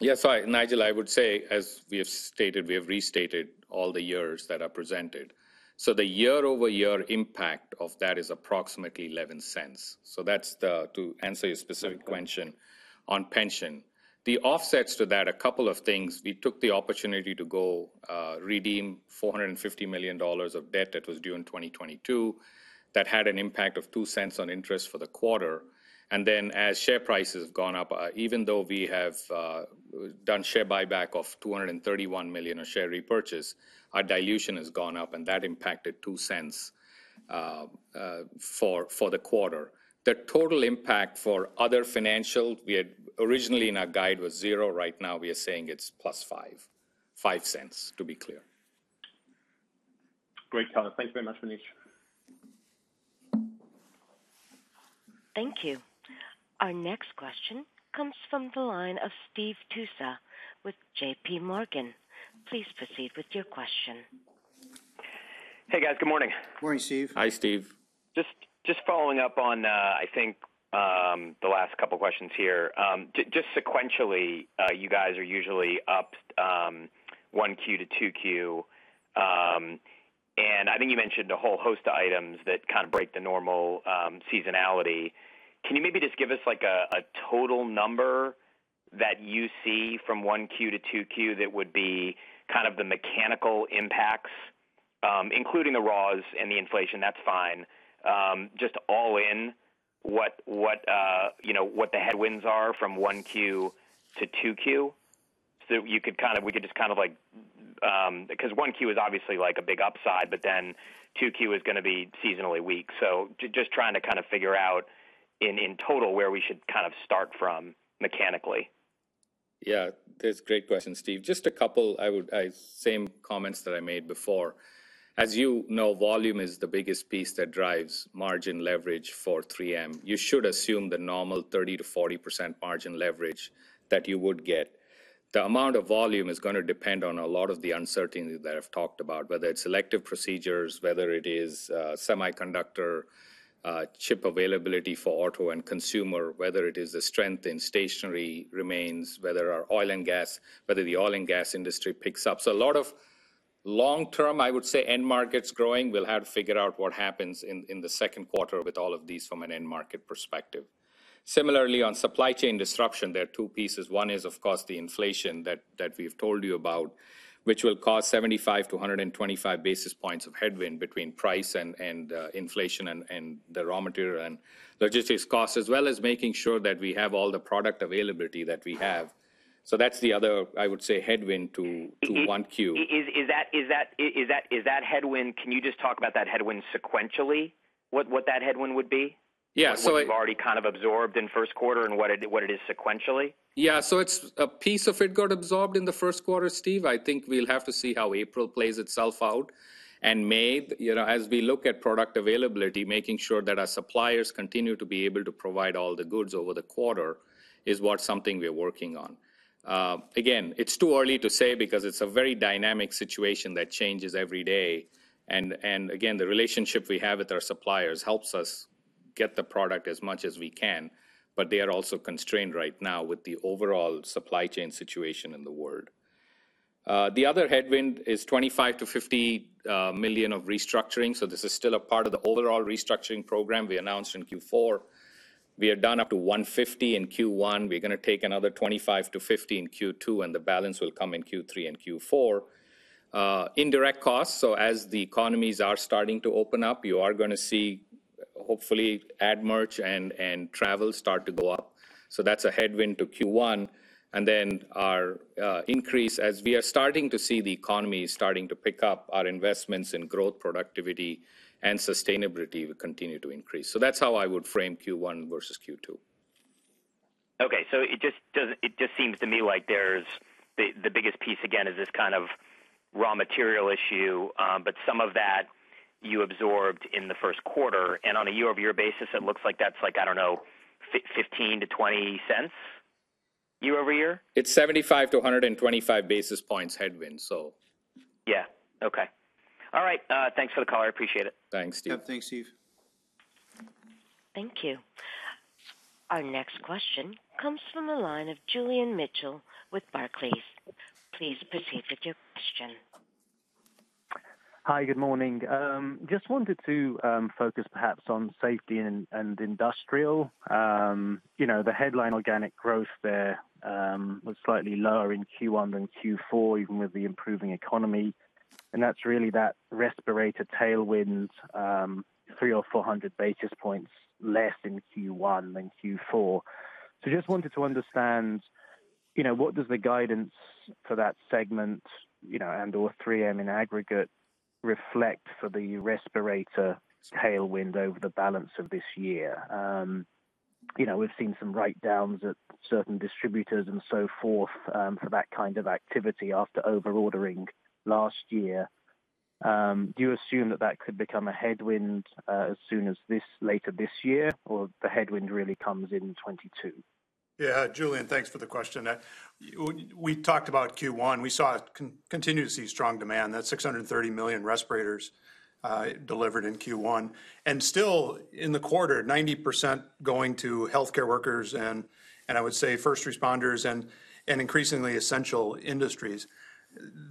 Speaker 5: Yes. Sorry, Nigel, I would say, as we have stated, we have restated all the years that are presented. The year-over-year impact of that is approximately $0.11. That's to answer your specific question on pension. The offsets to that, a couple of things. We took the opportunity to go redeem $450 million of debt that was due in 2022. That had an impact of $0.02 on interest for the quarter. Then as share prices have gone up, even though we have done share buyback of $231 million of share repurchase, our dilution has gone up, and that impacted $0.02 for the quarter. The total impact for other financial, we had originally in our guide was zero. Right now, we are saying it's plus five. $0.05, to be clear.
Speaker 9: Great color. Thank you very much, Manish.
Speaker 1: Thank you. Our next question comes from the line of Steve Tusa with JPMorgan. Please proceed with your question.
Speaker 10: Hey, guys. Good morning.
Speaker 5: Morning, Steve.
Speaker 3: Hi, Steve.
Speaker 10: Just following up on, I think, the last couple of questions here. Just sequentially, you guys are usually up 1Q to 2Q. I think you mentioned a whole host of items that kind of break the normal seasonality. Can you maybe just give us a total number that you see from 1Q to 2Q that would be kind of the mechanical impacts, including the raws and the inflation, that's fine. Just all in, what the headwinds are from 1Q to 2Q? Because 1Q is obviously a big upside, 2Q is going to be seasonally weak. Just trying to kind of figure out in total where we should kind of start from mechanically.
Speaker 5: Yeah. That's a great question, Steve. Just a couple same comments that I made before. As you know, volume is the biggest piece that drives margin leverage for 3M. You should assume the normal 30%-40% margin leverage that you would get. The amount of volume is going to depend on a lot of the uncertainty that I've talked about, whether it's selective procedures, whether it is semiconductor chip availability for auto and consumer, whether it is the strength in stationery remains, whether the oil and gas industry picks up. A lot of long-term, I would say, end markets growing. We'll have to figure out what happens in the second quarter with all of these from an end market perspective. Similarly, on supply chain disruption, there are two pieces. One is, of course, the inflation that we've told you about, which will cause 75 basis points-125 basis points of headwind between price and inflation and the raw material and logistics costs, as well as making sure that we have all the product availability that we have. That's the other, I would say, headwind to 1Q.
Speaker 10: Is that headwind, can you just talk about that headwind sequentially? What that headwind would be?
Speaker 5: Yeah.
Speaker 10: What you've already kind of absorbed in first quarter and what it is sequentially?
Speaker 5: Yeah. A piece of it got absorbed in the first quarter, Steve. I think we'll have to see how April plays itself out, and May. As we look at product availability, making sure that our suppliers continue to be able to provide all the goods over the quarter is what something we're working on. Again, it's too early to say because it's a very dynamic situation that changes every day, and again, the relationship we have with our suppliers helps us get the product as much as we can, but they are also constrained right now with the overall supply chain situation in the world. The other headwind is $25 million-$50 million of restructuring. This is still a part of the overall restructuring program we announced in Q4. We are done up to $150 million in Q1. We're going to take another $25 million-$50 million in Q2, and the balance will come in Q3 and Q4. Indirect costs, as the economies are starting to open up, you are going to see, hopefully, ad merch and travel start to go up. That's a headwind to Q1. Our increase, as we are starting to see the economy starting to pick up, our investments in growth, productivity, and sustainability will continue to increase. That's how I would frame Q1 versus Q2.
Speaker 10: Okay. It just seems to me like the biggest piece, again, is this kind of raw material issue, but some of that you absorbed in the first quarter. On a year-over-year basis, it looks like that's, I don't know, $0.15-$0.20 year-over-year?
Speaker 5: It's 75-125 basis points headwind.
Speaker 10: Yeah. Okay. All right. Thanks for the call. I appreciate it.
Speaker 5: Thanks, Steve.
Speaker 3: Yeah. Thanks, Steve.
Speaker 1: Thank you. Our next question comes from the line of Julian Mitchell with Barclays. Please proceed with your question.
Speaker 11: Hi. Good morning. Just wanted to focus perhaps on Safety and Industrial. The headline organic growth there was slightly lower in Q1 than Q4, even with the improving economy, and that's really that respirator tailwind, 300 or 400 basis points less in Q1 than Q4. Just wanted to understand, what does the guidance for that segment, and/or 3M in aggregate, reflect for the respirator tailwind over the balance of this year? We've seen some writedowns at certain distributors and so forth, for that kind of activity after over-ordering last year. Do you assume that that could become a headwind as soon as later this year, or the headwind really comes in 2022?
Speaker 3: Yeah. Julian, thanks for the question. We talked about Q1. We continue to see strong demand. That's 630 million respirators delivered in Q1. Still, in the quarter, 90% going to healthcare workers and, I would say, first responders and increasingly essential industries.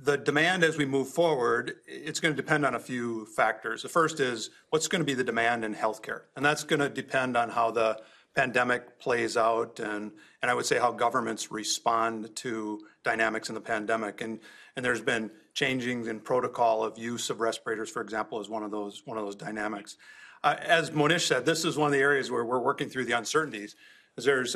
Speaker 3: The demand as we move forward, it's going to depend on a few factors. The first is what's going to be the demand in healthcare, and that's going to depend on how the pandemic plays out and, I would say, how governments respond to dynamics in the pandemic. There's been changes in protocol of use of respirators, for example, as one of those dynamics. As Monish said, this is one of the areas where we're working through the uncertainties, because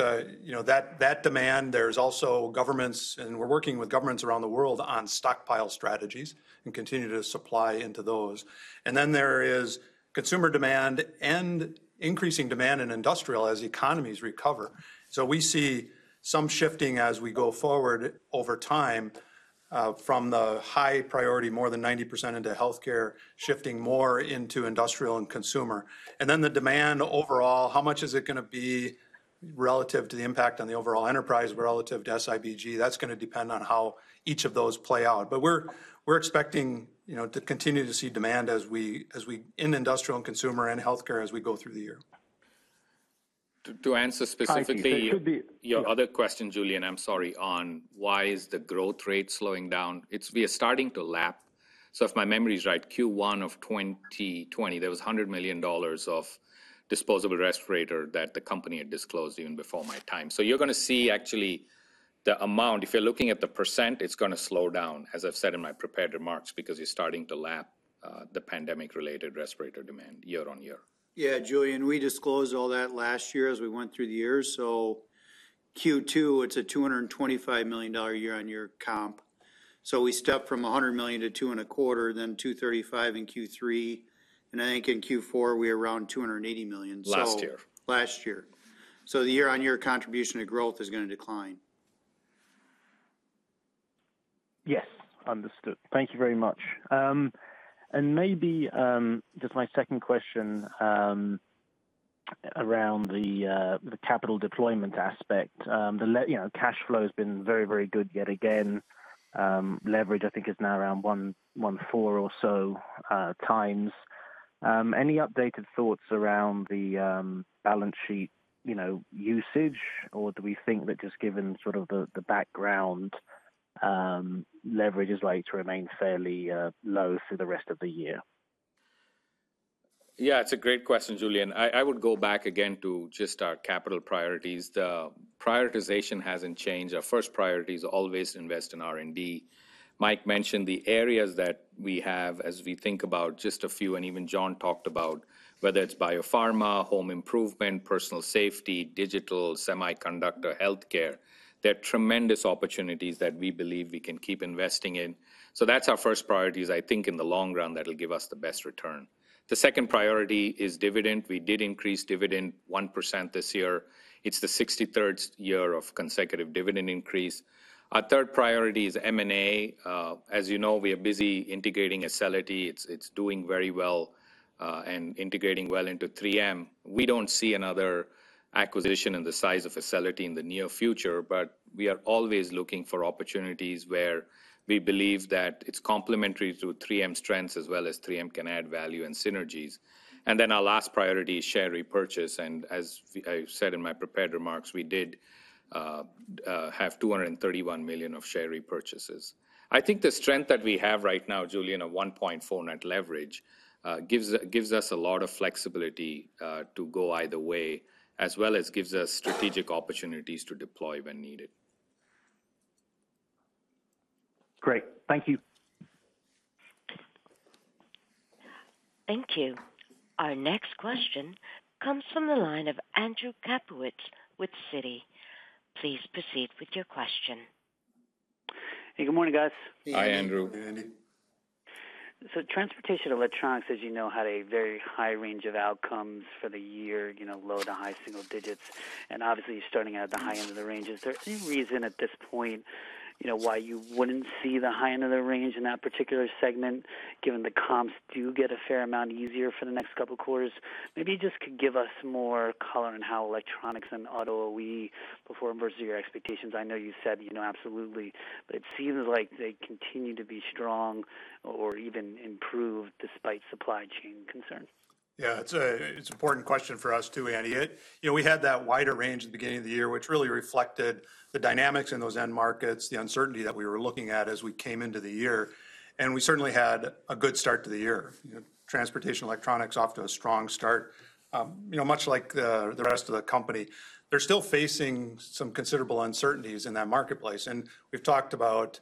Speaker 3: there's that demand. There's also governments, and we're working with governments around the world on stockpile strategies and continue to supply into those. There is consumer demand and increasing demand in industrial as economies recover. We see some shifting as we go forward over time, from the high priority, more than 90% into healthcare, shifting more into industrial and consumer. The demand overall, how much is it going to be relative to the impact on the overall enterprise, relative to SIBG? That's going to depend on how each of those play out. We're expecting to continue to see demand in industrial and consumer and healthcare as we go through the year.
Speaker 5: To answer specifically. Your other question, Julian, I'm sorry, on why is the growth rate slowing down. We are starting to lap. If my memory's right, Q1 of 2020, there was $100 million of disposable respirator that the company had disclosed even before my time. You're going to see actually the amount. If you're looking at the %, it's going to slow down, as I've said in my prepared remarks, because you're starting to lap the pandemic-related respirator demand year-over-year.
Speaker 3: Yeah. Julian, we disclosed all that last year as we went through the year. Q2, it's a $225 million year-on-year comp. We stepped from $100 million-$225 million, $235 million in Q3, and I think in Q4, we were around $280 million.
Speaker 5: Last year.
Speaker 3: Last year. The year-on-year contribution to growth is going to decline.
Speaker 11: Yes. Understood. Thank you very much. Maybe, just my second question, around the capital deployment aspect. The cash flow has been very, very good yet again. Leverage, I think, is now around 1.4x or so. Any updated thoughts around the balance sheet usage, or do we think that just given sort of the background, leverage is likely to remain fairly low through the rest of the year?
Speaker 5: Yeah. It's a great question, Julian. I would go back again to just our capital priorities. The prioritization hasn't changed. Our first priority is always invest in R&D. Mike mentioned the areas that we have as we think about just a few, and even John talked about, whether it's biopharma, home improvement, personal safety, digital, semiconductor, healthcare. They're tremendous opportunities that we believe we can keep investing in. That's our first priority, as I think in the long run, that'll give us the best return. The second priority is dividend. We did increase dividend 1% this year. It's the 63rd year of consecutive dividend increase. Our third priority is M&A. As you know, we are busy integrating Acelity. It's doing very well, and integrating well into 3M. We don't see another acquisition in the size of Acelity in the near future, but we are always looking for opportunities where we believe that it's complementary to 3M's strengths as well as 3M can add value and synergies. Our last priority is share repurchase, and as I said in my prepared remarks, we did have $231 million of share repurchases. I think the strength that we have right now, Julian, of 1.4 net leverage, gives us a lot of flexibility to go either way, as well as gives us strategic opportunities to deploy when needed.
Speaker 11: Great. Thank you.
Speaker 1: Thank you. Our next question comes from the line of Andrew Kaplowitz with Citi. Please proceed with your question.
Speaker 12: Hey, good morning, guys.
Speaker 3: Hi, Andrew. Hey, Andy.
Speaker 12: Transportation Electronics, as you know, had a very high range of outcomes for the year, low to high single digits, and obviously starting at the high end of the range. Is there any reason at this point why you wouldn't see the high end of the range in that particular segment, given the comps do get a fair amount easier for the next couple quarters? Maybe just could give us more color on how electronics and auto OEM perform versus your expectations. I know you said absolutely, but it seems like they continue to be strong or even improve despite supply chain concerns.
Speaker 3: It's an important question for us, too, Andrew. We had that wider range at the beginning of the year, which really reflected the dynamics in those end markets, the uncertainty that we were looking at as we came into the year, and we certainly had a good start to the year. Transportation Electronics off to a strong start. Much like the rest of the company, they're still facing some considerable uncertainties in that marketplace, and we've talked about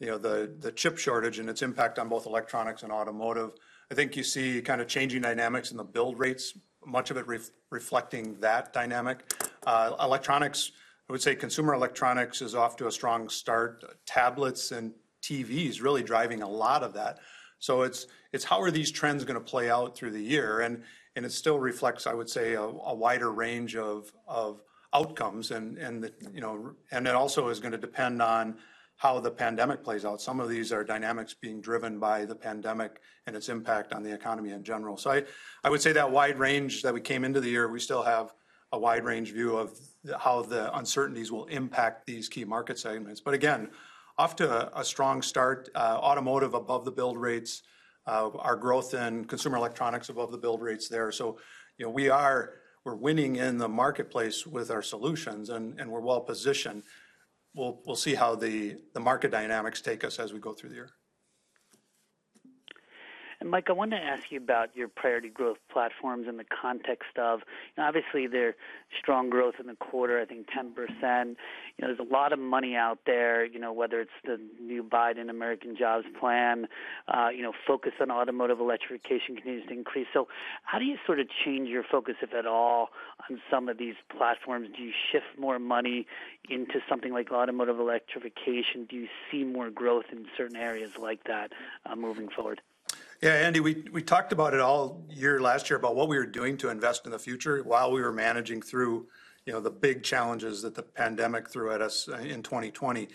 Speaker 3: the chip shortage and its impact on both electronics and automotive. I think you see changing dynamics in the build rates, much of it reflecting that dynamic. Electronics, I would say consumer electronics is off to a strong start, tablets and TVs really driving a lot of that. It's how are these trends going to play out through the year? It still reflects, I would say, a wider range of outcomes, and it also is going to depend on how the pandemic plays out. Some of these are dynamics being driven by the pandemic and its impact on the economy in general. I would say that wide range that we came into the year, we still have a wide range view of how the uncertainties will impact these key market segments. Again, off to a strong start, automotive above the build rates, our growth in consumer electronics above the build rates there. We're winning in the marketplace with our solutions, and we're well-positioned. We'll see how the market dynamics take us as we go through the year.
Speaker 12: Mike, I want to ask you about your Priority Growth Platforms in the context of, obviously they're strong growth in the quarter, I think 10%. There's a lot of money out there, whether it's the new Biden American Jobs Plan, focus on automotive electrification continues to increase. So how do you sort of change your focus, if at all, on some of these platforms? Do you shift more money into something like automotive electrification? Do you see more growth in certain areas like that moving forward?
Speaker 3: Yeah, Andy, we talked about it all year last year about what we were doing to invest in the future while we were managing through the big challenges that the pandemic threw at us in 2020.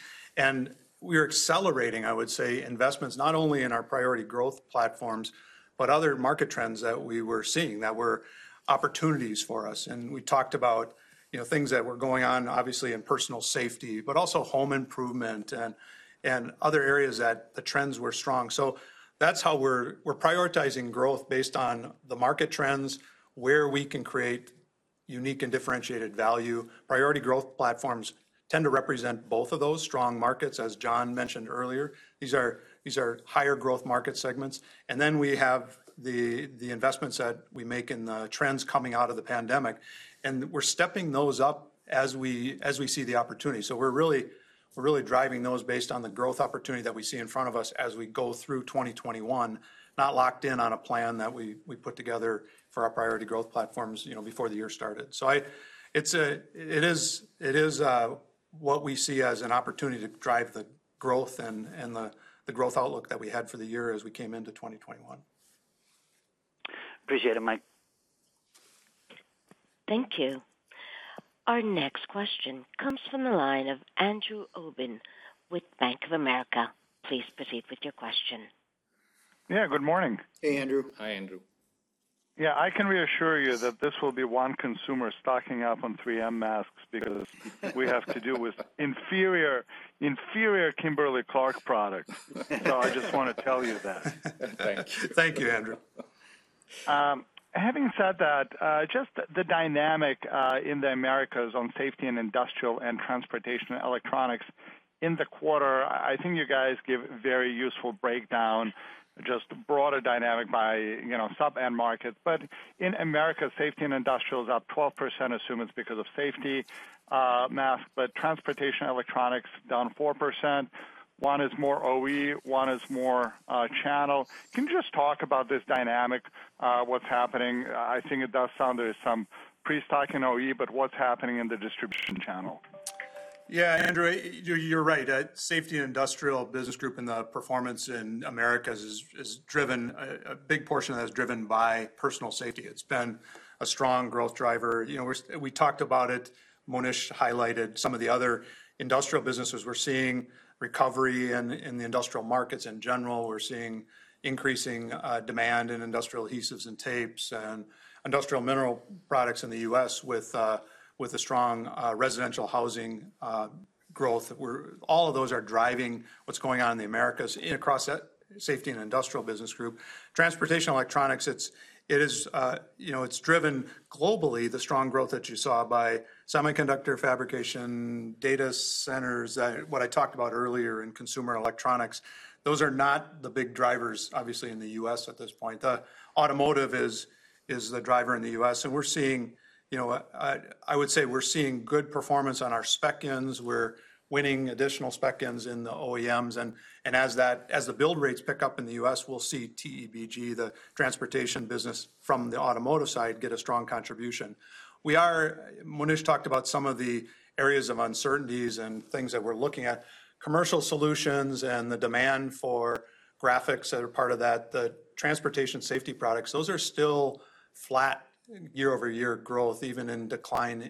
Speaker 3: We're accelerating, I would say, investments not only in our Priority Growth Platforms, but other market trends that we were seeing that were opportunities for us. We talked about things that were going on, obviously, in personal safety, but also home improvement and other areas that the trends were strong. That's how we're prioritizing growth based on the market trends, where we can create unique and differentiated value. Priority Growth Platforms tend to represent both of those strong markets, as John mentioned earlier. These are higher growth market segments. We have the investments that we make in the trends coming out of the pandemic, and we're stepping those up as we see the opportunity. We're really driving those based on the growth opportunity that we see in front of us as we go through 2021, not locked in on a plan that we put together for our Priority Growth Platforms before the year started. It is what we see as an opportunity to drive the growth and the growth outlook that we had for the year as we came into 2021.
Speaker 12: Appreciate it, Mike.
Speaker 1: Thank you. Our next question comes from the line of Andrew Obin with Bank of America. Please proceed with your question.
Speaker 13: Yeah, good morning.
Speaker 3: Hey, Andrew. Hi, Andrew.
Speaker 13: Yeah, I can reassure you that this will be one consumer stocking up on 3M masks because we have to deal with inferior Kimberly-Clark products. I just want to tell you that.
Speaker 3: Thank you. Thank you, Andrew.
Speaker 13: Having said that, just the dynamic in the Americas on Safety and Industrial and Transportation and Electronics in the quarter, I think you guys give very useful breakdown, just broader dynamic by sub-end markets. In America, Safety and Industrial is up 12%, assume it's because of safety masks, but Transportation and Electronics down 4%. One is more OE, one is more channel. Can you just talk about this dynamic, what's happening? I think it does sound there's some pre-stock in OE, but what's happening in the distribution channel?
Speaker 3: Yeah, Andrew, you're right. Safety and Industrial Business Group and the performance in Americas, a big portion of that is driven by personal safety. It's been a strong growth driver. We talked about it, Monish highlighted some of the other industrial businesses. We're seeing recovery in the industrial markets in general. We're seeing increasing demand in industrial adhesives and tapes and industrial mineral products in the U.S. with a strong residential housing growth. All of those are driving what's going on in the Americas across Safety and Industrial Business Group. Transportation and Electronics, it's driven globally, the strong growth that you saw by semiconductor fabrication, data centers, what I talked about earlier in consumer electronics. Those are not the big drivers, obviously, in the U.S. at this point. Automotive is the driver in the U.S. I would say we're seeing good performance on our spec-ins. We're winning additional spec-ins in the OEMs, and as the build rates pick up in the U.S., we'll see TEBG, the transportation business from the automotive side, get a strong contribution. Monish talked about some of the areas of uncertainties and things that we're looking at. Commercial solutions and the demand for graphics that are part of that, the transportation safety products, those are still flat year-over-year growth, even in decline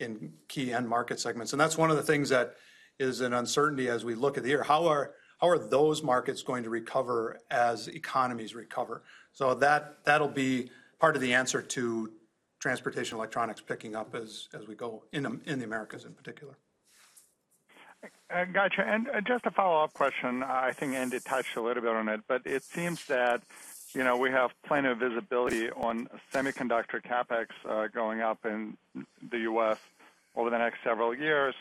Speaker 3: in key end market segments. That's one of the things that is an uncertainty as we look at the year. How are those markets going to recover as economies recover? That'll be part of the answer to transportation electronics picking up as we go in the Americas in particular.
Speaker 13: Got you. Just a follow-up question. I think Andy touched a little bit on it, but it seems that we have plenty of visibility on semiconductor CapEx going up in the U.S. over the next several years.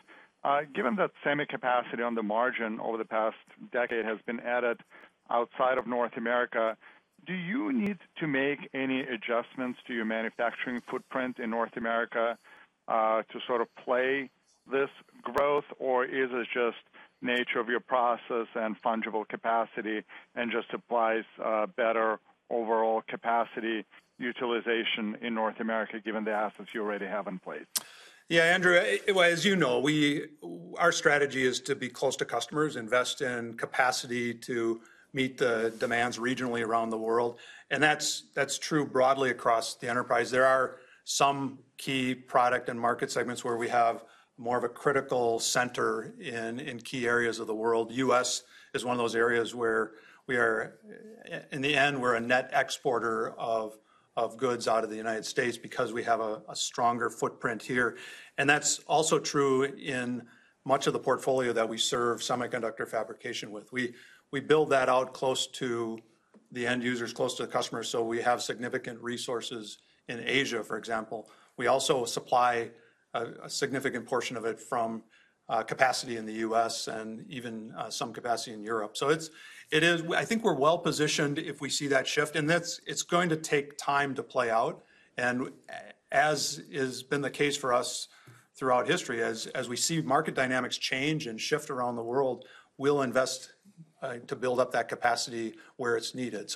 Speaker 13: Given that semi capacity on the margin over the past decade has been added outside of North America, do you need to make any adjustments to your manufacturing footprint in North America, to sort of play this growth, or is it just nature of your process and fungible capacity and just supplies better overall capacity utilization in North America given the assets you already have in place?
Speaker 3: Yeah, Andrew, as you know, our strategy is to be close to customers, invest in capacity to meet the demands regionally around the world, and that's true broadly across the enterprise. There are some key product and market segments where we have more of a critical center in key areas of the world. U.S. is one of those areas where we are, in the end, we're a net exporter of goods out of the United States because we have a stronger footprint here. That's also true in much of the portfolio that we serve semiconductor fabrication with. We build that out close to the end users, close to the customers, so we have significant resources in Asia, for example. We also supply a significant portion of it from capacity in the U.S. and even some capacity in Europe. I think we're well positioned if we see that shift. It's going to take time to play out and as has been the case for us throughout history, as we see market dynamics change and shift around the world, we'll invest to build up that capacity where it's needed.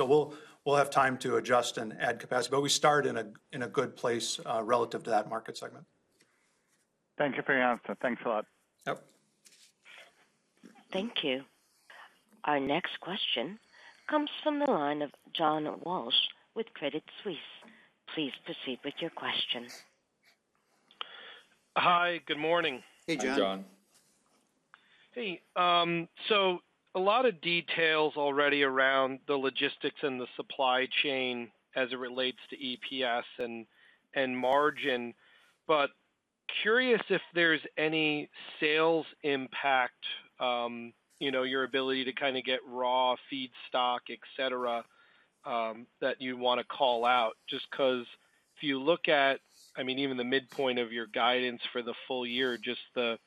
Speaker 3: We'll have time to adjust and add capacity, but we start in a good place relative to that market segment.
Speaker 13: Thank you for your answer. Thanks a lot.
Speaker 3: Yep.
Speaker 1: Thank you. Our next question comes from the line of John Walsh with Credit Suisse. Please proceed with your question.
Speaker 14: Hi. Good morning.
Speaker 3: Hey, John.
Speaker 5: Hey, John.
Speaker 14: Hey. A lot of details already around the logistics and the supply chain as it relates to EPS and margin. Curious if there's any sales impact, your ability to kind of get raw feedstock, et cetera, that you'd want to call out. Just because if you look at, even the midpoint of your guidance for the full year, just the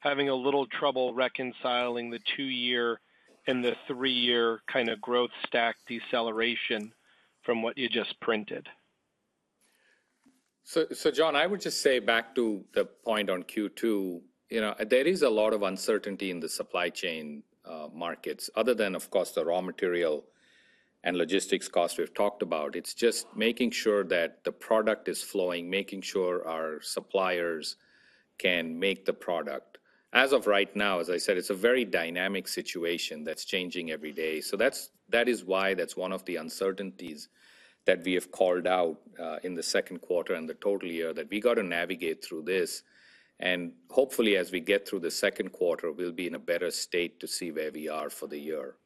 Speaker 14: having a little trouble reconciling the two-year and the three-year kind of growth stack deceleration from what you just printed.
Speaker 5: John, I would just say back to the point on Q2, there is a lot of uncertainty in the supply chain markets other than, of course, the raw material and logistics costs we've talked about. It's just making sure that the product is flowing, making sure our suppliers can make the product. As of right now, as I said, it's a very dynamic situation that's changing every day. That is why that's one of the uncertainties that we have called out, in the second quarter and the total year, that we got to navigate through this. Hopefully, as we get through the second quarter, we'll be in a better state to see where we are for the year.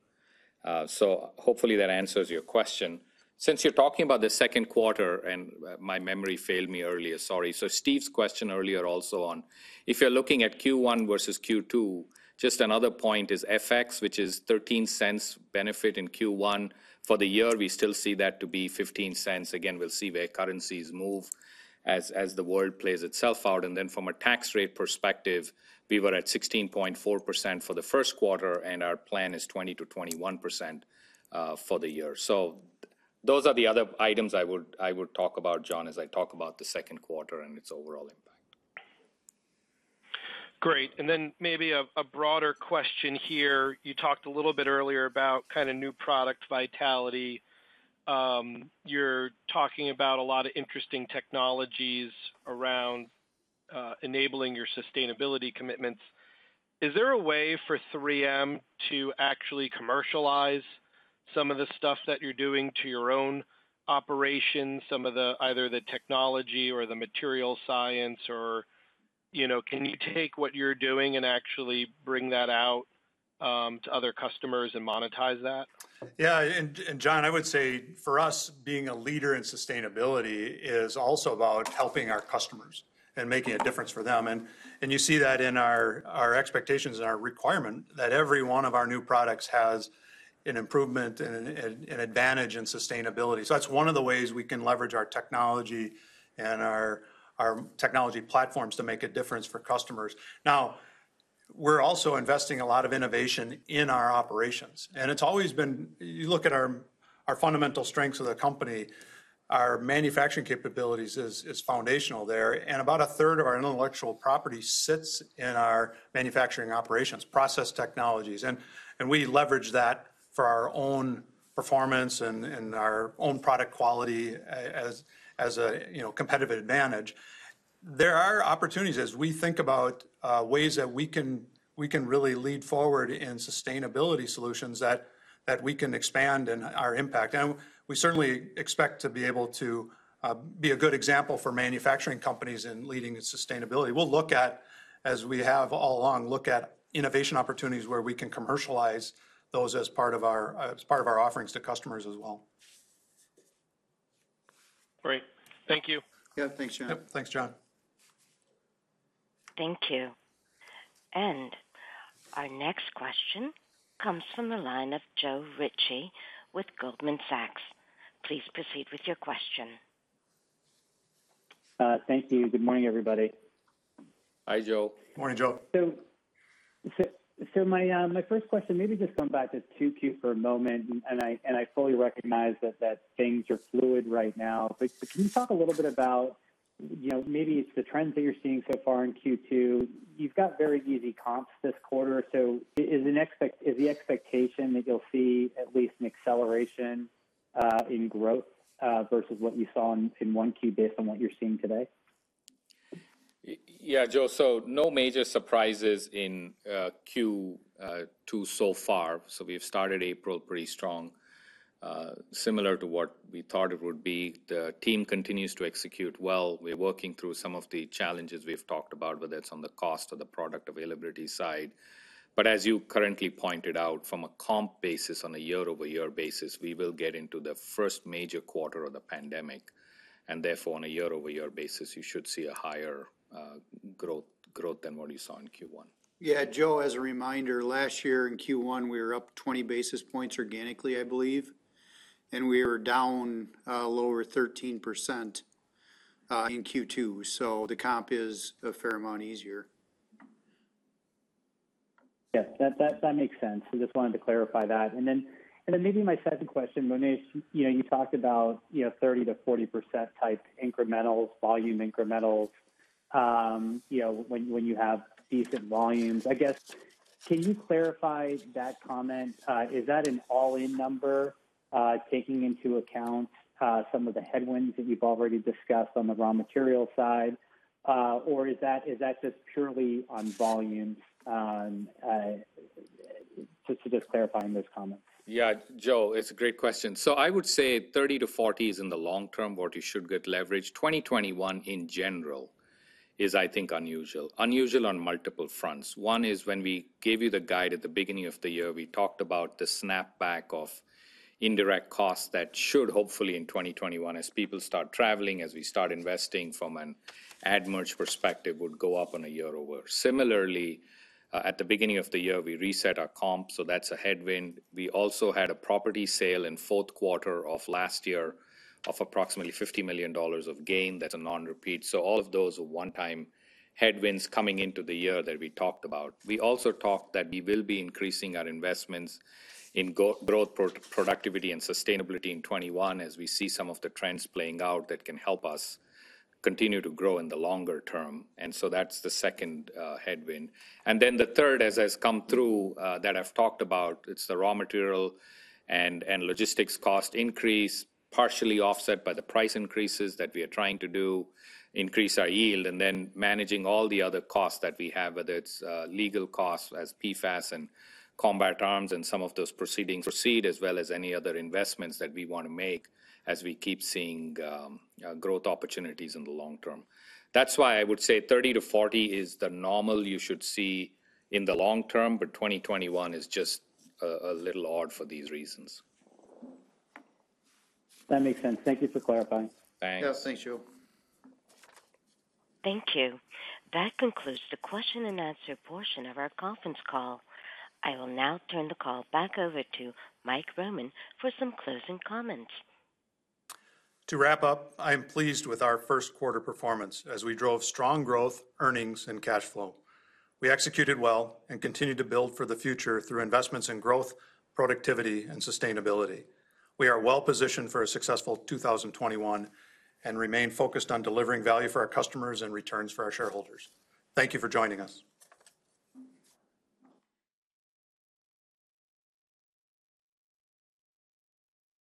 Speaker 5: Hopefully that answers your question. Since you're talking about the second quarter and my memory failed me earlier, sorry. Steve's question earlier also on, if you're looking at Q1 versus Q2, just another point is FX, which is $0.13 benefit in Q1. For the year, we still see that to be $0.15. Again, we'll see where currencies move as the world plays itself out. From a tax rate perspective, we were at 16.4% for the first quarter, and our plan is 20%-21% for the year. Those are the other items I would talk about, John, as I talk about the second quarter and its overall impact.
Speaker 14: Great. Then maybe a broader question here. You talked a little bit earlier about kind of new product vitality. You're talking about a lot of interesting technologies around enabling your sustainability commitments. Is there a way for 3M to actually commercialize some of the stuff that you're doing to your own operations, some of the either the technology or the material science or can you take what you're doing and actually bring that out to other customers and monetize that?
Speaker 3: Yeah, John, I would say for us, being a leader in sustainability is also about helping our customers and making a difference for them. You see that in our expectations and our requirement that every one of our new products has an improvement and an advantage in sustainability. That's one of the ways we can leverage our technology and our technology platforms to make a difference for customers. We're also investing a lot of innovation in our operations. You look at our fundamental strengths of the company, our manufacturing capabilities is foundational there, and about a third of our intellectual property sits in our manufacturing operations, process technologies. We leverage that for our own performance and our own product quality as a competitive advantage. There are opportunities as we think about ways that we can really lead forward in sustainability solutions that we can expand in our impact. We certainly expect to be able to be a good example for manufacturing companies in leading sustainability. We'll look at, as we have all along, look at innovation opportunities where we can commercialize those as part of our offerings to customers as well.
Speaker 14: Great. Thank you.
Speaker 3: Yeah. Thanks, John.
Speaker 5: Yep. Thanks, John.
Speaker 1: Thank you. Our next question comes from the line of Joe Ritchie with Goldman Sachs. Please proceed with your question.
Speaker 15: Thank you. Good morning, everybody.
Speaker 5: Hi, Joe.
Speaker 3: Morning, Joe.
Speaker 15: My first question, maybe just come back to 2Q for a moment, and I fully recognize that things are fluid right now. Can you talk a little bit about maybe it's the trends that you're seeing so far in Q2, you've got very easy comps this quarter, is the expectation that you'll see at least an acceleration in growth versus what you saw in 1Q based on what you're seeing today?
Speaker 5: Yeah. Joe, no major surprises in Q2 so far. We've started April pretty strong. Similar to what we thought it would be. The team continues to execute well. We're working through some of the challenges we've talked about, whether it's on the cost or the product availability side. As you currently pointed out, from a comp basis, on a year-over-year basis, we will get into the first major quarter of the pandemic, and therefore, on a year-over-year basis, you should see a higher growth than what you saw in Q1.
Speaker 3: Yeah. Joe, as a reminder, last year in Q1, we were up 20 basis points organically, I believe, and we were down lower 13% in Q2. The comp is a fair amount easier.
Speaker 15: Yeah. That makes sense. Just wanted to clarify that. Maybe my second question, Monish, you talked about 30%-40% type incrementals, volume incrementals when you have decent volumes. I guess, can you clarify that comment? Is that an all-in number, taking into account some of the headwinds that you've already discussed on the raw material side, or is that just purely on volume? Just clarifying those comments.
Speaker 5: Joe Ritchie, it's a great question. I would say 30-40 is in the long term what you should get leverage. 2021 in general is, I think, unusual. Unusual on multiple fronts. One is when we gave you the guide at the beginning of the year, we talked about the snapback of indirect costs that should hopefully in 2021, as people start traveling, as we start investing from an ad merch perspective, would go up on a year-over-year. Similarly, at the beginning of the year, we reset our comp, that's a headwind. We also had a property sale in fourth quarter of last year of approximately $50 million of gain. That's a non-repeat. All of those are one-time headwinds coming into the year that we talked about. We also talked that we will be increasing our investments in growth, productivity, and sustainability in 2021 as we see some of the trends playing out that can help us continue to grow in the longer term. That's the second headwind. The third, as has come through, that I've talked about, it's the raw material and logistics cost increase, partially offset by the price increases that we are trying to do, increase our yield, and then managing all the other costs that we have, whether it's legal costs as PFAS and Combat Arms and some of those proceedings proceed, as well as any other investments that we want to make as we keep seeing growth opportunities in the long term. That's why I would say 30-40 is the normal you should see in the long term, but 2021 is just a little odd for these reasons.
Speaker 15: That makes sense. Thank you for clarifying.
Speaker 5: Thanks.
Speaker 3: Yeah. Thanks, Joe.
Speaker 1: Thank you. That concludes the question and answer portion of our conference call. I will now turn the call back over to Mike Roman for some closing comments.
Speaker 3: To wrap up, I am pleased with our first quarter performance as we drove strong growth, earnings, and cash flow. We executed well and continue to build for the future through investments in growth, productivity, and sustainability. We are well-positioned for a successful 2021 and remain focused on delivering value for our customers and returns for our shareholders. Thank you for joining us.